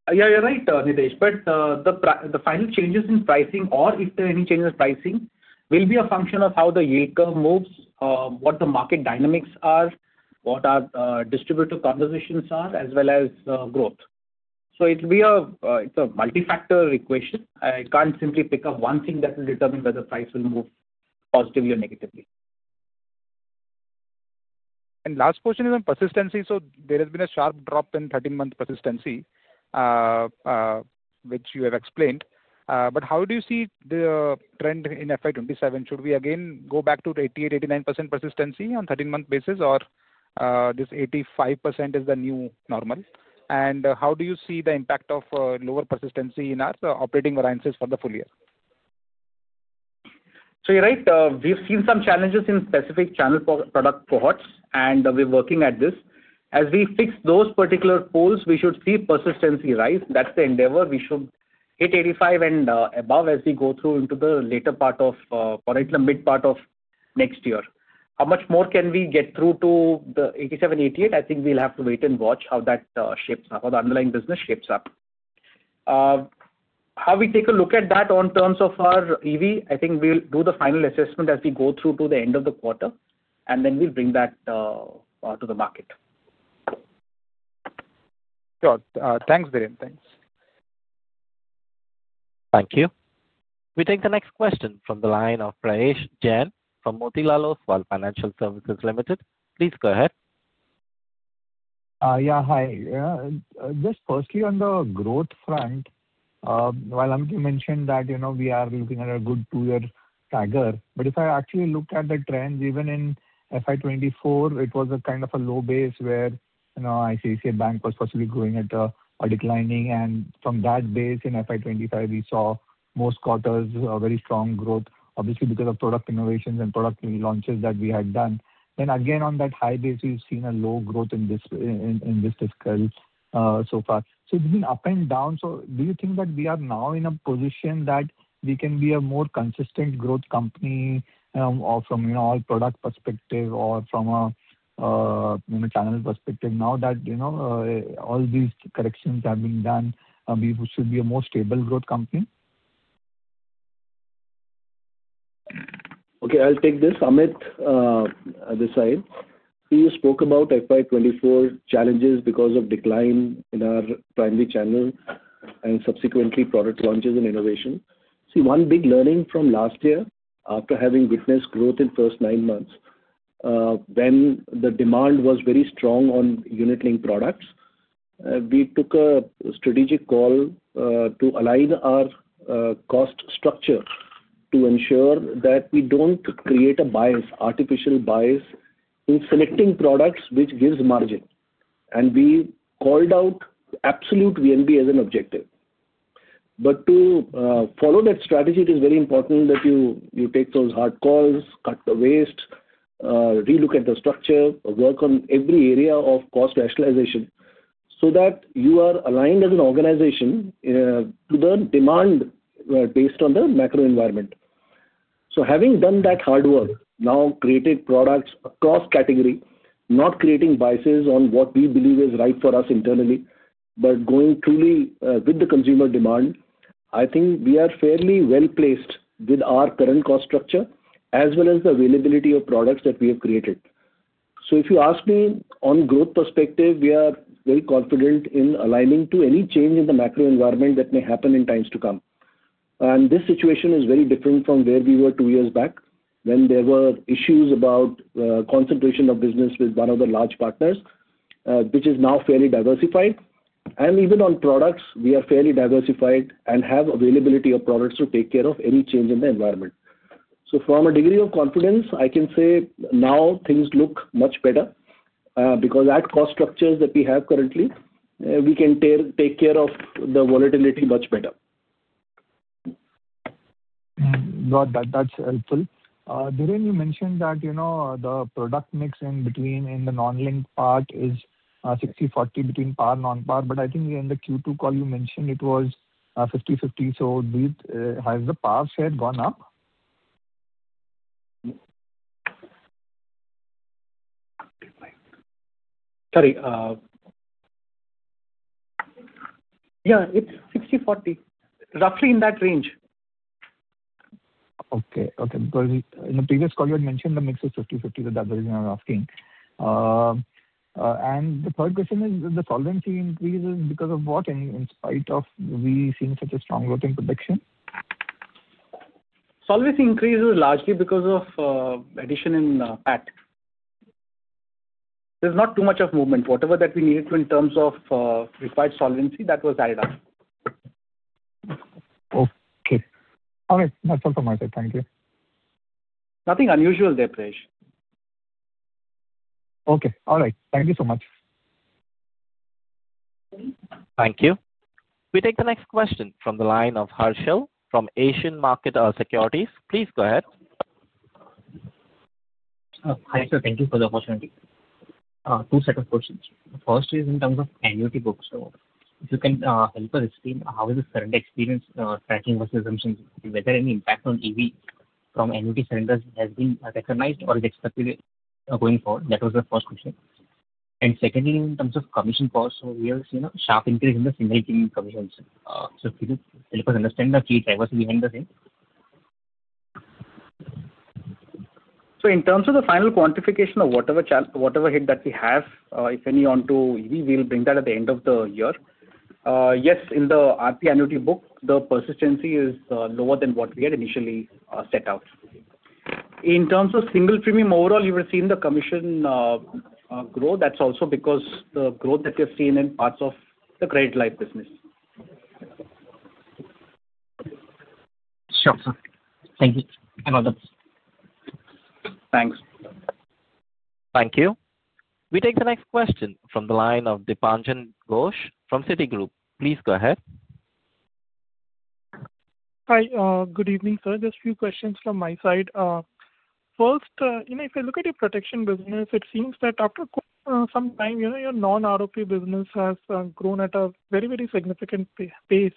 Yeah. You're right, [Nitesh]. But the final changes in pricing, or if there are any changes in pricing, will be a function of how the yield curve moves, what the market dynamics are, what our distributor conversations are, as well as growth. So it's a multifactor equation. I can't simply pick up one thing that will determine whether price will move positively or negatively. Last question is on persistency. There has been a sharp drop in 13-month persistency, which you have explained. How do you see the trend in FY 2027? Should we again go back to 88%-89% persistency on 13-month basis, or this 85% is the new normal? How do you see the impact of lower persistency in our operating variances for the full year? So you're right. We've seen some challenges in specific channel product cohorts, and we're working at this. As we fix those particular poles, we should see persistency rise. That's the endeavor. We should hit 85% and above as we go through into the later part of, call it the mid part of next year. How much more can we get through to the 87%-88%? I think we'll have to wait and watch how that shapes up, how the underlying business shapes up. How we take a look at that in terms of our EV, I think we'll do the final assessment as we go through to the end of the quarter, and then we'll bring that to the market. Sure. Thanks, Dhiren. Thanks. Thank you. We take the next question from the line of Prayesh Jain from Motilal Oswal Financial Services Limited. Please go ahead. Yeah. Hi. Just firstly, on the growth front, while Amit mentioned that we are looking at a good two-year staggered, but if I actually look at the trends, even in FY 2024, it was a kind of a low base where ICICI Bank was possibly going at a declining, and from that base in FY 2025, we saw most quarters very strong growth, obviously because of product innovations and product launches that we had done, then again, on that high base, we've seen a low growth in this discussion so far, so it's been up and down, so do you think that we are now in a position that we can be a more consistent growth company from an all-product perspective or from a channel perspective now that all these corrections have been done? We should be a more stable growth company? Okay. I'll take this, Amit aside. So you spoke about FY 2024 challenges because of decline in our primary channel and subsequently product launches and innovation. See, one big learning from last year, after having witnessed growth in the first nine months, when the demand was very strong on unit-linked products, we took a strategic call to align our cost structure to ensure that we don't create a bias, artificial bias in selecting products which gives margin, and we called out absolute VNB as an objective, but to follow that strategy, it is very important that you take those hard calls, cut the waste, relook at the structure, work on every area of cost rationalization so that you are aligned as an organization to the demand based on the macro environment. Having done that hard work, now created products across category, not creating biases on what we believe is right for us internally, but going truly with the consumer demand, I think we are fairly well placed with our current cost structure as well as the availability of products that we have created. If you ask me, on growth perspective, we are very confident in aligning to any change in the macro environment that may happen in times to come. This situation is very different from where we were two years back when there were issues about concentration of business with one of the large partners, which is now fairly diversified. Even on products, we are fairly diversified and have availability of products to take care of any change in the environment. So from a degree of confidence, I can say now things look much better because at cost structures that we have currently, we can take care of the volatility much better. That's helpful. Dhiren, you mentioned that the product mix in the non-linked part is 60/40 between par and non-par, but I think in the Q2 call you mentioned, it was 50/50. So has the par share gone up? Sorry. Yeah. It's 60/40, roughly in that range. Okay. Okay. Because in the previous call, you had mentioned the mix is 50/50, so that's the reason I'm asking, and the third question is, the solvency increases because of what, in spite of we seeing such a strong growth in protection? Solvency increases largely because of addition in PAT. There's not too much of movement. Whatever that we needed to in terms of required solvency, that was added up. Okay. All right. That's all from my side. Thank you. Nothing unusual there, Prayesh. Okay. All right. Thank you so much. Thank you. We take the next question from the line of [Harshil] from Asian Market Securities. Please go ahead. Hi, sir. Thank you for the opportunity. Two sets of questions. The first is in terms of annuity books. If you can help us explain how is the surrender experience tracking versus assumptions, whether any impact on EV from annuity surrenders has been recognized or is expected going forward. That was the first question. And secondly, in terms of commission costs, we have seen a sharp increase in the single-pay commissions. So can you help us understand the key drivers behind the same? So in terms of the final quantification of whatever hit that we have, if any onto EV, we'll bring that at the end of the year. Yes, in the RP annuity book, the persistency is lower than what we had initially set out. In terms of single premium overall, you will see in the commission growth. That's also because the growth that we have seen in parts of the credit-life business. Sure, sir. Thank you. And others. Thanks. Thank you. We take the next question from the line of Dipanjan Ghosh from Citigroup. Please go ahead. Hi. Good evening, sir. Just a few questions from my side. First, if I look at your protection business, it seems that after some time, your non-ROP business has grown at a very, very significant pace.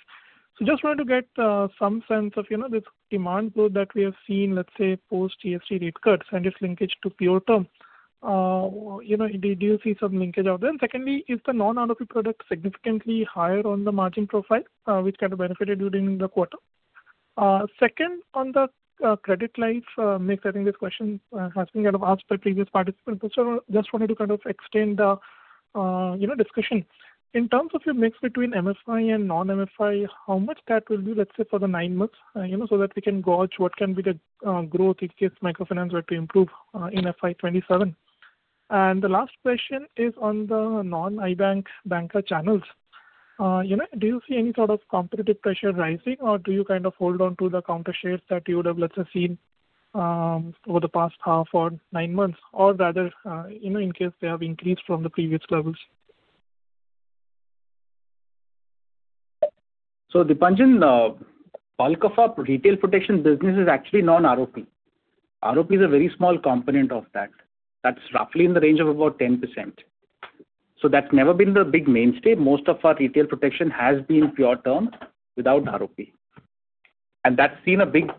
So just wanted to get some sense of this demand growth that we have seen, let's say, post GST rate cuts and its linkage to pure term. Did you see some linkage out there? And secondly, is the non-ROP product significantly higher on the margin profile, which kind of benefited during the quarter? Second, on the credit life mix, I think this question has been kind of asked by previous participants, but just wanted to kind of extend the discussion. In terms of your mix between MFI and non-MFI, how much that will be, let's say, for the nine months so that we can gauge what can be the growth in case microfinance were to improve in FY 2027? And the last question is on the non-banca banker channels. Do you see any sort of competitive pressure rising, or do you kind of hold on to the market shares that you would have, let's say, seen over the past half or nine months, or rather in case they have increased from the previous levels? Dipanjan, bulk of our retail protection business is actually non-ROP. ROP is a very small component of that. That's roughly in the range of about 10%. That's never been the big mainstay. Most of our retail protection has been pure term without ROP. And that's seen a big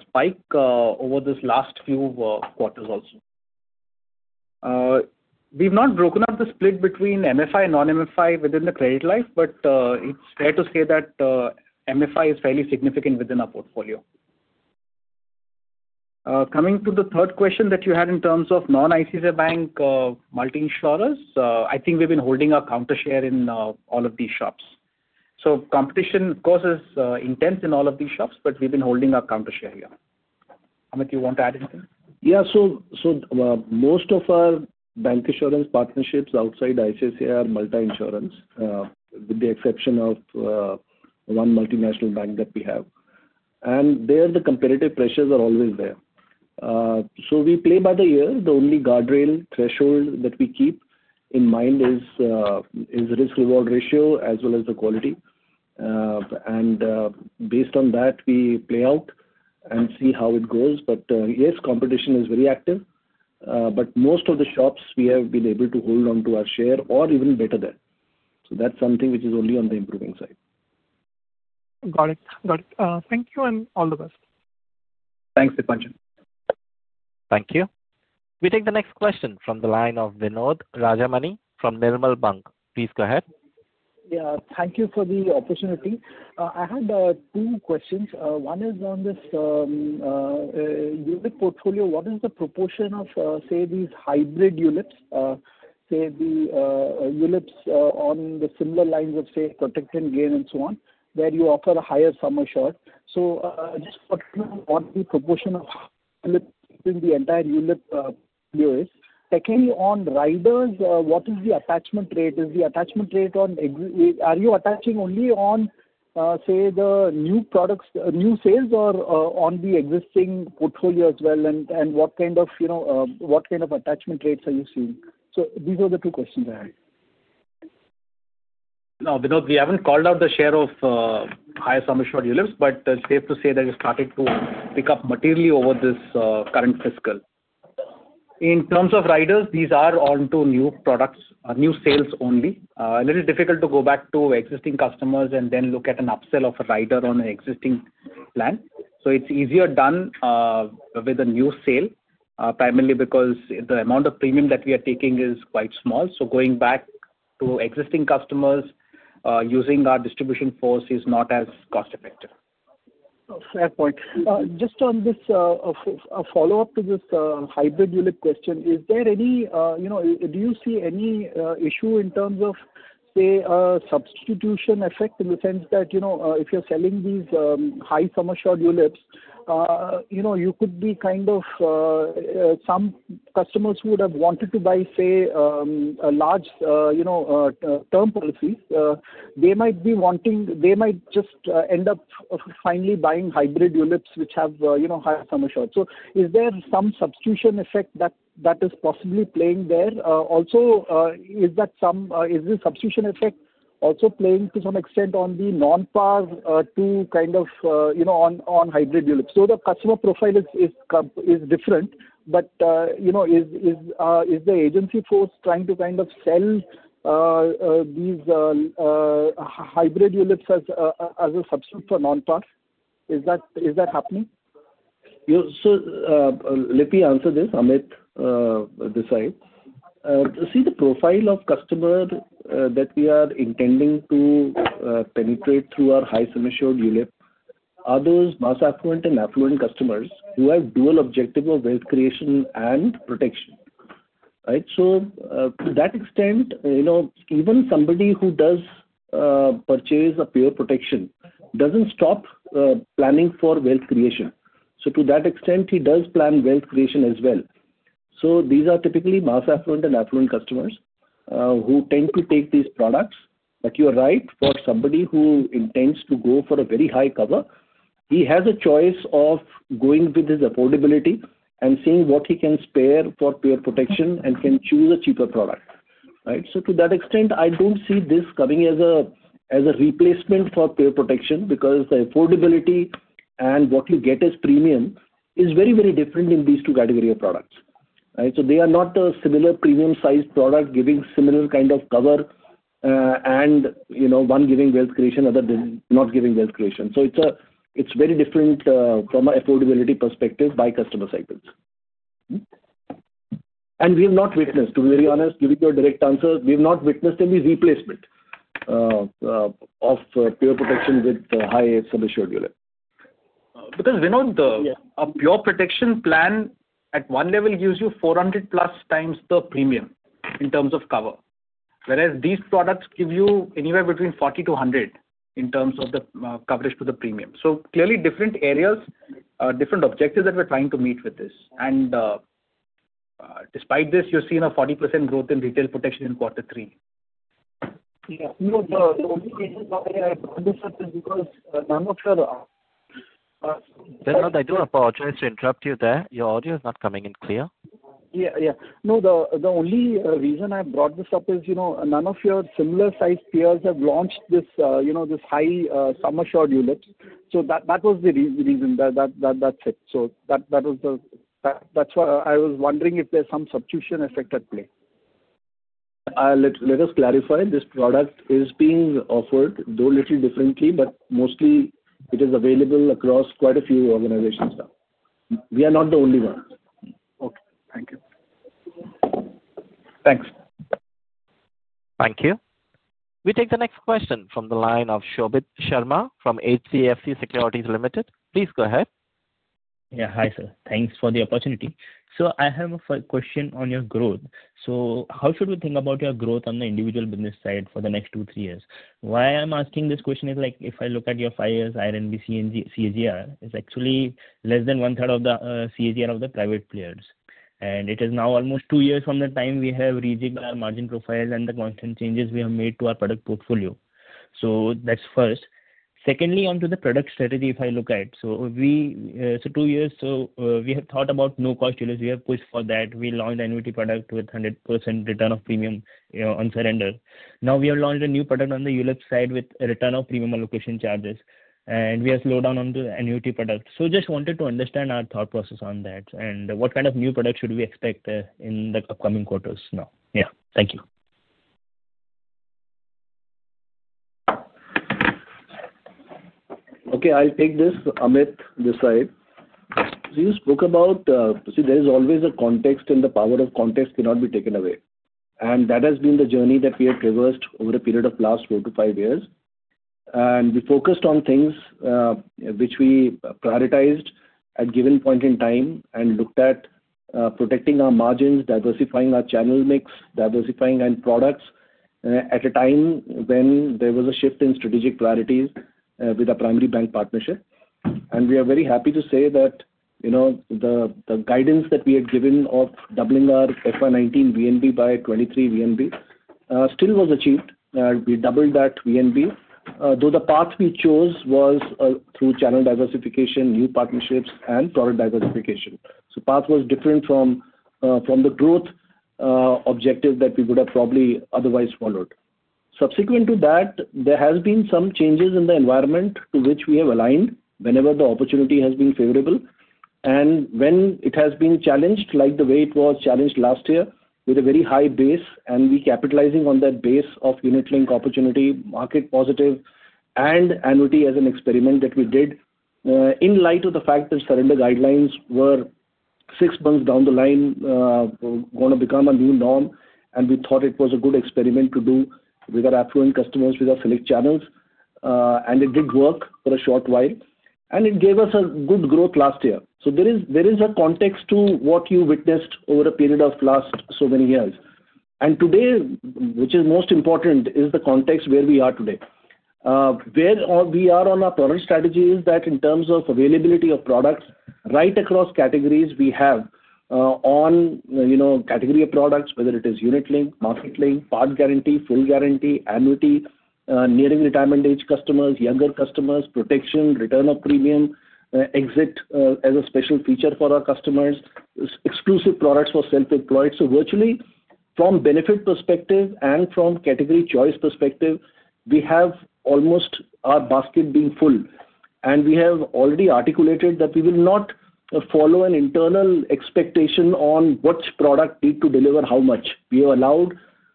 spike over this last few quarters also. We've not broken up the split between MFI and non-MFI within the credit life, but it's fair to say that MFI is fairly significant within our portfolio. Coming to the third question that you had in terms of non-ICICI Bank multi-insurers, I think we've been holding our market share in all of these shops. Competition, of course, is intense in all of these shops, but we've been holding our market share here. Amit, you want to add anything? Yeah. So most of our bancassurance partnerships outside ICICI are multi-insurance, with the exception of one multinational bank that we have. And there, the competitive pressures are always there. So we play by the year. The only guardrail threshold that we keep in mind is risk-reward ratio as well as the quality. And based on that, we play out and see how it goes. But yes, competition is very active. But most of the shops, we have been able to hold on to our share or even better than. So that's something which is only on the improving side. Got it. Got it. Thank you and all the best. Thanks, Dipanjan. Thank you. We take the next question from the line of Vinod Rajamani from Nirmal Bang. Please go ahead. Yeah. Thank you for the opportunity. I had two questions. One is on this unit portfolio. What is the proportion of, say, these hybrid units, say, the units on the similar lines of, say, Protect N Gain and so on, where you offer a higher sum assured? So just what the proportion of the entire unit view is. Secondly, on riders, what is the attachment rate? Is the attachment rate on, are you attaching only on, say, the new products, new sales, or on the existing portfolio as well? And what kind of attachment rates are you seeing? So these are the two questions I had. Now, Vinod, we haven't called out the share of higher sum assured units, but it's safe to say that we started to pick up materially over this current fiscal. In terms of riders, these are onto new products, new sales only. It's a little difficult to go back to existing customers and then look at an upsell of a rider on an existing plan. So it's easier done with a new sale, primarily because the amount of premium that we are taking is quite small. So going back to existing customers, using our distribution force is not as cost-effective. Fair point. Just on this follow-up to this hybrid unit question, do you see any issue in terms of, say, a substitution effect in the sense that if you're selling these high sum assured units, you could be kind of some customers who would have wanted to buy, say, a large term policy, they might just end up finally buying hybrid units which have higher sum assured. So is there some substitution effect that is possibly playing there? Also, is the substitution effect also playing to some extent on the non-PAR to kind of on hybrid units? So the customer profile is different, but is the agency force trying to kind of sell these hybrid units as a substitute for non-PAR? Is that happening? Yeah. So let me answer this, Amit on the side. The profile of the customer that we are intending to penetrate through our high sum assured unit are those mass affluent and affluent customers who have dual objective of wealth creation and protection, right? So to that extent, even somebody who does purchase a pure protection doesn't stop planning for wealth creation. So to that extent, he does plan wealth creation as well. So these are typically mass affluent and affluent customers who tend to take these products. But you're right, for somebody who intends to go for a very high cover, he has a choice of going with his affordability and seeing what he can spare for pure protection and can choose a cheaper product, right? So to that extent, I don't see this coming as a replacement for pure protection because the affordability and what you get as premium is very, very different in these two categories of products, right? So they are not a similar premium-sized product giving similar kind of cover and one giving wealth creation, other than not giving wealth creation. So it's very different from an affordability perspective by customer cycles. And we have not witnessed, to be very honest, giving you a direct answer, we have not witnessed any replacement of pure protection with high sum assured unit. Because, Vinod, a pure protection plan at one level gives you 400+ times the premium in terms of cover, whereas these products give you anywhere between 40-100 in terms of the coverage to the premium. So clearly, different areas, different objectives that we're trying to meet with this. And despite this, you're seeing a 40% growth in retail protection in quarter three. Yeah. No, the only reason why I brought this up is because none of your. Vinod, I do apologize to interrupt you there. Your audio is not coming in clear. Yeah. Yeah. No, the only reason I brought this up is none of your similar-sized peers have launched this high sum assured units. So that was the reason. That's it. So that was, that's why I was wondering if there's some substitution effect at play. Let us clarify. This product is being offered through a little differently, but mostly it is available across quite a few organizations now. We are not the only one. Okay. Thank you. Thanks. Thank you. We take the next question from the line of Shobhit Sharma from HDFC Securities Limited. Please go ahead. Yeah. Hi, sir. Thanks for the opportunity. So I have a question on your growth. So how should we think about your growth on the individual business side for the next two, three years? Why I'm asking this question is if I look at your five years IRNB CAGR, it's actually less than one-third of the CAGR of the private players. And it is now almost two years from the time we have rejigged our margin profile and the constant changes we have made to our product portfolio. So that's first. Secondly, onto the product strategy, if I look at it. So two years, we have thought about no-cost units. We have pushed for that. We launched annuity product with 100% return of premium on surrender. Now we have launched a new product on the unit side with return of premium allocation charges. And we have slowed down on the annuity product. So just wanted to understand our thought process on that and what kind of new product should we expect in the upcoming quarters now. Yeah. Thank you. Okay. I'll take this, Amit, this side. So you spoke about, see, there is always a context, and the power of context cannot be taken away. That has been the journey that we have traversed over a period of last four to five years. We focused on things which we prioritized at a given point in time and looked at protecting our margins, diversifying our channel mix, diversifying end products at a time when there was a shift in strategic priorities with a primary bank partnership. We are very happy to say that the guidance that we had given of doubling our FY 2019 VNB by FY 2023 VNB still was achieved. We doubled that VNB, though the path we chose was through channel diversification, new partnerships, and product diversification. The path was different from the growth objective that we would have probably otherwise followed. Subsequent to that, there have been some changes in the environment to which we have aligned whenever the opportunity has been favorable. And when it has been challenged, like the way it was challenged last year with a very high base and we capitalizing on that base of unit-linked opportunity, market positive, and annuity as an experiment that we did in light of the fact that surrender guidelines were six months down the line going to become a new norm. And we thought it was a good experiment to do with our affluent customers with our select channels. And it did work for a short while. And it gave us a good growth last year. So there is a context to what you witnessed over a period of last so many years. And today, which is most important, is the context where we are today. Where we are on our product strategy is that in terms of availability of products right across categories, we have one category of products, whether it is unit-linked, market-linked, PAR guarantee, full guarantee, annuity, nearing retirement-age customers, younger customers, protection, return of premium, exit as a special feature for our customers, exclusive products for self-employed. So virtually, from benefit perspective and from category choice perspective, we have almost our basket being full. And we have already articulated that we will not follow an internal expectation on which product need to deliver how much. We have allowed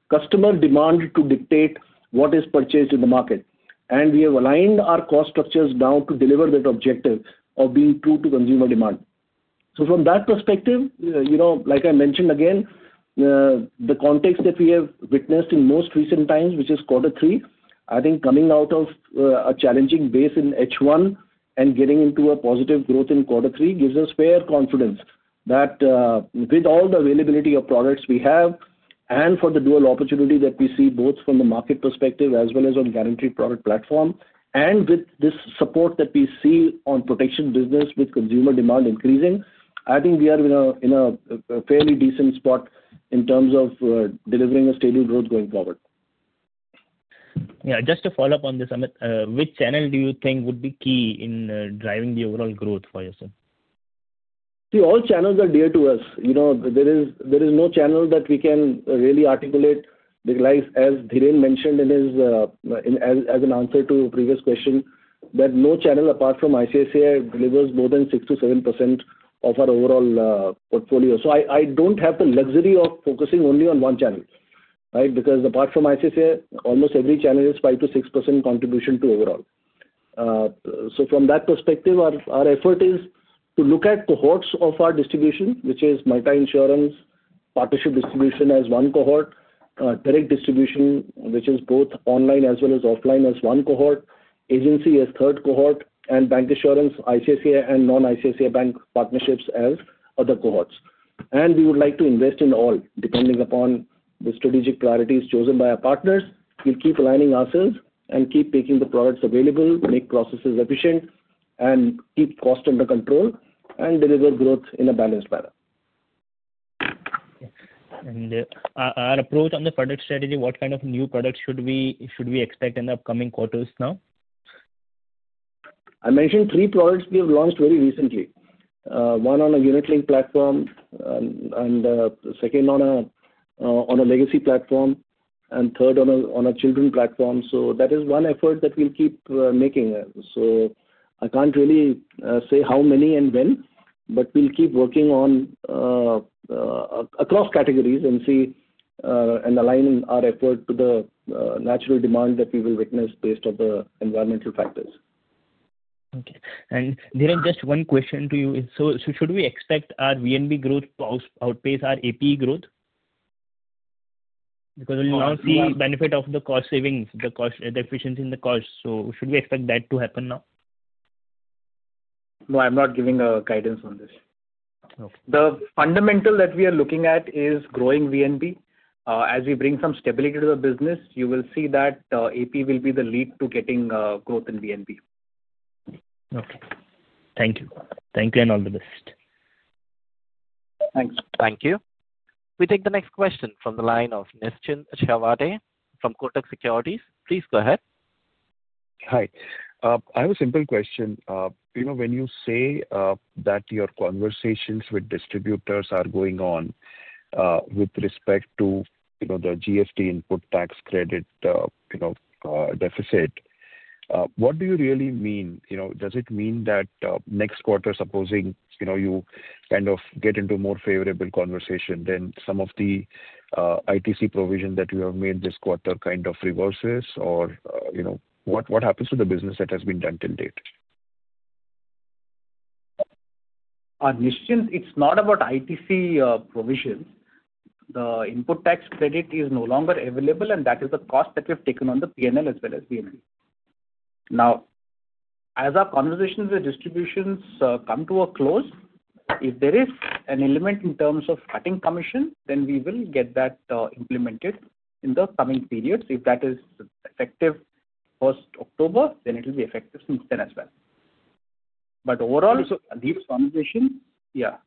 customer demand to dictate what is purchased in the market. And we have aligned our cost structures now to deliver that objective of being true to consumer demand. So, from that perspective, like I mentioned again, the context that we have witnessed in most recent times, which is quarter three, I think, coming out of a challenging base in H1 and getting into a positive growth in quarter three, gives us fair confidence that with all the availability of products we have and for the dual opportunity that we see both from the market perspective as well as on guaranteed product platform and with this support that we see on protection business with consumer demand increasing, I think we are in a fairly decent spot in terms of delivering a stable growth going forward. Yeah. Just to follow up on this, Amit, which channel do you think would be key in driving the overall growth for yourself? See, all channels are dear to us. There is no channel that we can really articulate, as Dhiren mentioned in his answer to a previous question, that no channel apart from ICICI delivers more than 6%-7% of our overall portfolio. So I don't have the luxury of focusing only on one channel, right? Because apart from ICICI, almost every channel is 5%-6% contribution to overall. So from that perspective, our effort is to look at cohorts of our distribution, which is multi-insurance, partnership distribution as one cohort, direct distribution, which is both online as well as offline as one cohort, agency as third cohort, and bancassurance, ICICI and non-ICICI bank partnerships as other cohorts. And we would like to invest in all, depending upon the strategic priorities chosen by our partners. We'll keep aligning ourselves and keep making the products available, make processes efficient, and keep cost under control and deliver growth in a balanced manner. Our approach on the product strategy, what kind of new products should we expect in the upcoming quarters now? I mentioned three products we have launched very recently. One on a unit-link platform and second on a legacy platform and third on a children platform. So that is one effort that we'll keep making. So I can't really say how many and when, but we'll keep working across categories and see and align our effort to the natural demand that we will witness based on the environmental factors. Okay. And Dhiren, just one question to you. So should we expect our VNB growth to outpace our APE growth? Because we'll now see benefit of the cost savings, the efficiency in the cost. So should we expect that to happen now? No, I'm not giving guidance on this. The fundamental that we are looking at is growing VNB. As we bring some stability to the business, you will see that APE will be the lead to getting growth in VNB. Okay. Thank you. Thank you and all the best. Thanks. Thank you. We take the next question from the line of Nischint Chawathe from Kotak Securities. Please go ahead. Hi. I have a simple question. When you say that your conversations with distributors are going on with respect to the GST input tax credit deficit, what do you really mean? Does it mean that next quarter, supposing you kind of get into more favorable conversation, then some of the ITC provision that you have made this quarter kind of reverses, or what happens to the business that has been done till date? Nischint, it's not about ITC provisions. The input tax credit is no longer available, and that is the cost that we have taken on the P&L as well as VNB. Now, as our conversations with distributors come to a close, if there is an element in terms of cutting commission, then we will get that implemented in the coming periods. If that is effective first October, then it will be effective since then as well. But overall, these conversations, yeah.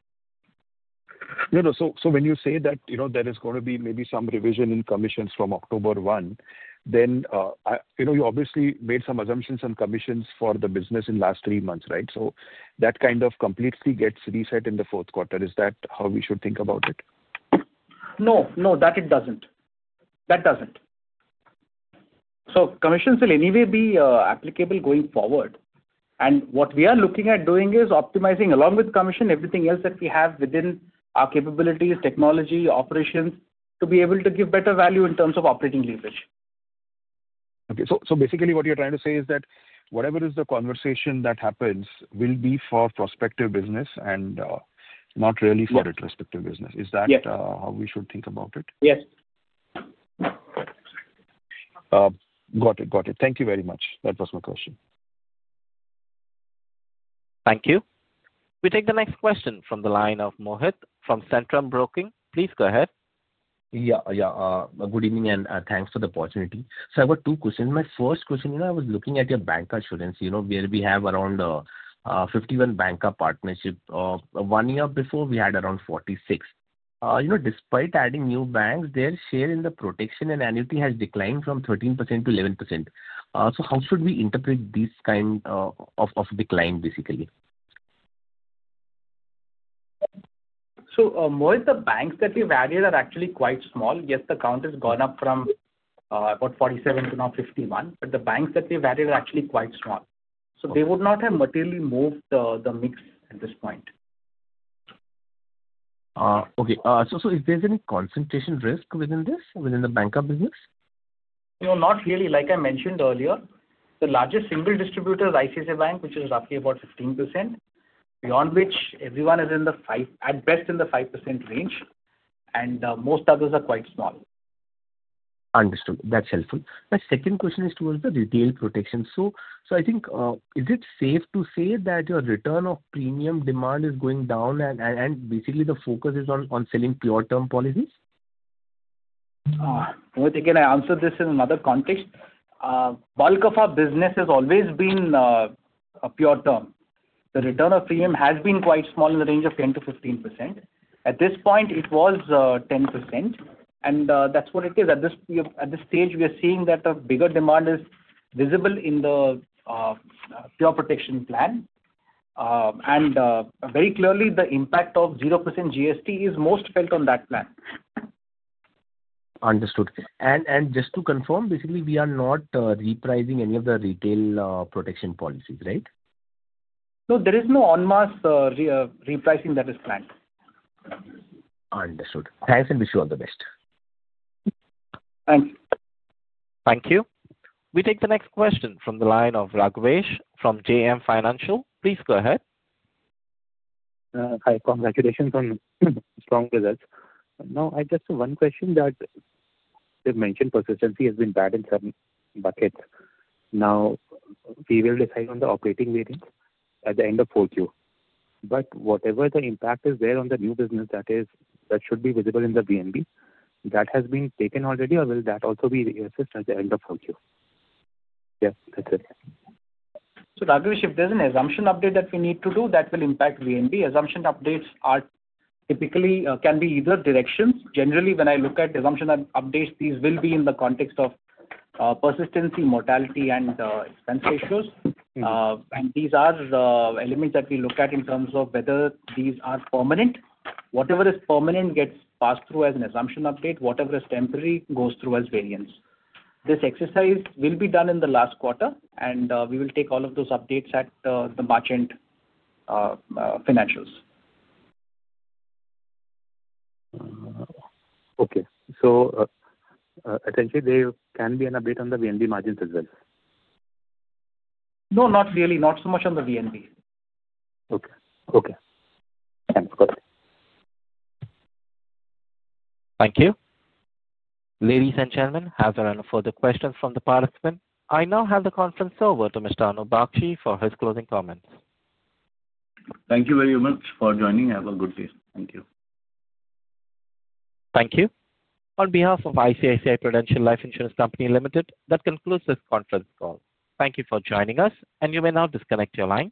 No, no. So when you say that there is going to be maybe some revision in commissions from October 1, then you obviously made some assumptions on commissions for the business in the last three months, right? So that kind of completely gets reset in the fourth quarter. Is that how we should think about it? No. No, that it doesn't. That doesn't, so commissions will anyway be applicable going forward, and what we are looking at doing is optimizing along with commission everything else that we have within our capabilities, technology, operations to be able to give better value in terms of operating leverage. Okay. So basically, what you're trying to say is that whatever is the conversation that happens will be for prospective business and not really for retrospective business. Is that how we should think about it? Yes. Got it. Got it. Thank you very much. That was my question. Thank you. We take the next question from the line of [Mohit] from Centrum Broking. Please go ahead. Yeah. Yeah. Good evening and thanks for the opportunity. So I have two questions. My first question, I was looking at your bancassurance where we have around 51 banca partnerships. One year before, we had around 46. Despite adding new banks, their share in the protection and annuity has declined from 13% to 11%. So how should we interpret this kind of decline, basically? So Mohit, the banks that we've added are actually quite small. Yes, the count has gone up from about 47 to now 51. But the banks that we've added are actually quite small. So they would not have materially moved the mix at this point. Okay, so is there any concentration risk within this, within the banca business? No, not really. Like I mentioned earlier, the largest single distributor is ICICI Bank, which is roughly about 15%, beyond which everyone is at best in the 5% range, and most others are quite small. Understood. That's helpful. My second question is towards the retail protection. So I think, is it safe to say that your return of premium demand is going down and basically the focus is on selling pure-term policies? Mohit, again, I answered this in another context. Bulk of our business has always been a pure term. The return of premium has been quite small in the range of 10%-15%. At this point, it was 10%. And that's what it is. At this stage, we are seeing that the bigger demand is visible in the pure protection plan. And very clearly, the impact of 0% GST is most felt on that plan. Understood. And just to confirm, basically, we are not repricing any of the retail protection policies, right? No, there is no en masse repricing that is planned. Understood. Thanks, and wish you all the best. Thanks. Thank you. We take the next question from the line of [Raghvesh] from JM Financial. Please go ahead. Hi. Congratulations on strong results. Now, I just have one question that you've mentioned persistency has been bad in some buckets. Now, we will decide on the operating variance at the end of 4Q. But whatever the impact is there on the new business that should be visible in the VNB, that has been taken already, or will that also be reassessed at the end of 4Q? Yeah, that's it. So [Raghvesh], if there's an assumption update that we need to do that will impact VNB, assumption updates can be either directions. Generally, when I look at assumption updates, these will be in the context of persistency, mortality, and expense ratios. And these are elements that we look at in terms of whether these are permanent. Whatever is permanent gets passed through as an assumption update. Whatever is temporary goes through as variance. This exercise will be done in the last quarter, and we will take all of those updates at the March end financials. Okay. So essentially, there can be an update on the VNB margins as well? No, not really. Not so much on the VNB. Okay. Okay. Thanks. Got it. Thank you. Ladies and gentlemen, are there any further questions from the participants? I now hand the conference over to Mr. Anup Bagchi for his closing comments. Thank you very much for joining. Have a good day. Thank you. Thank you. On behalf of ICICI Prudential Life Insurance Company Limited, that concludes this conference call. Thank you for joining us, and you may now disconnect your line.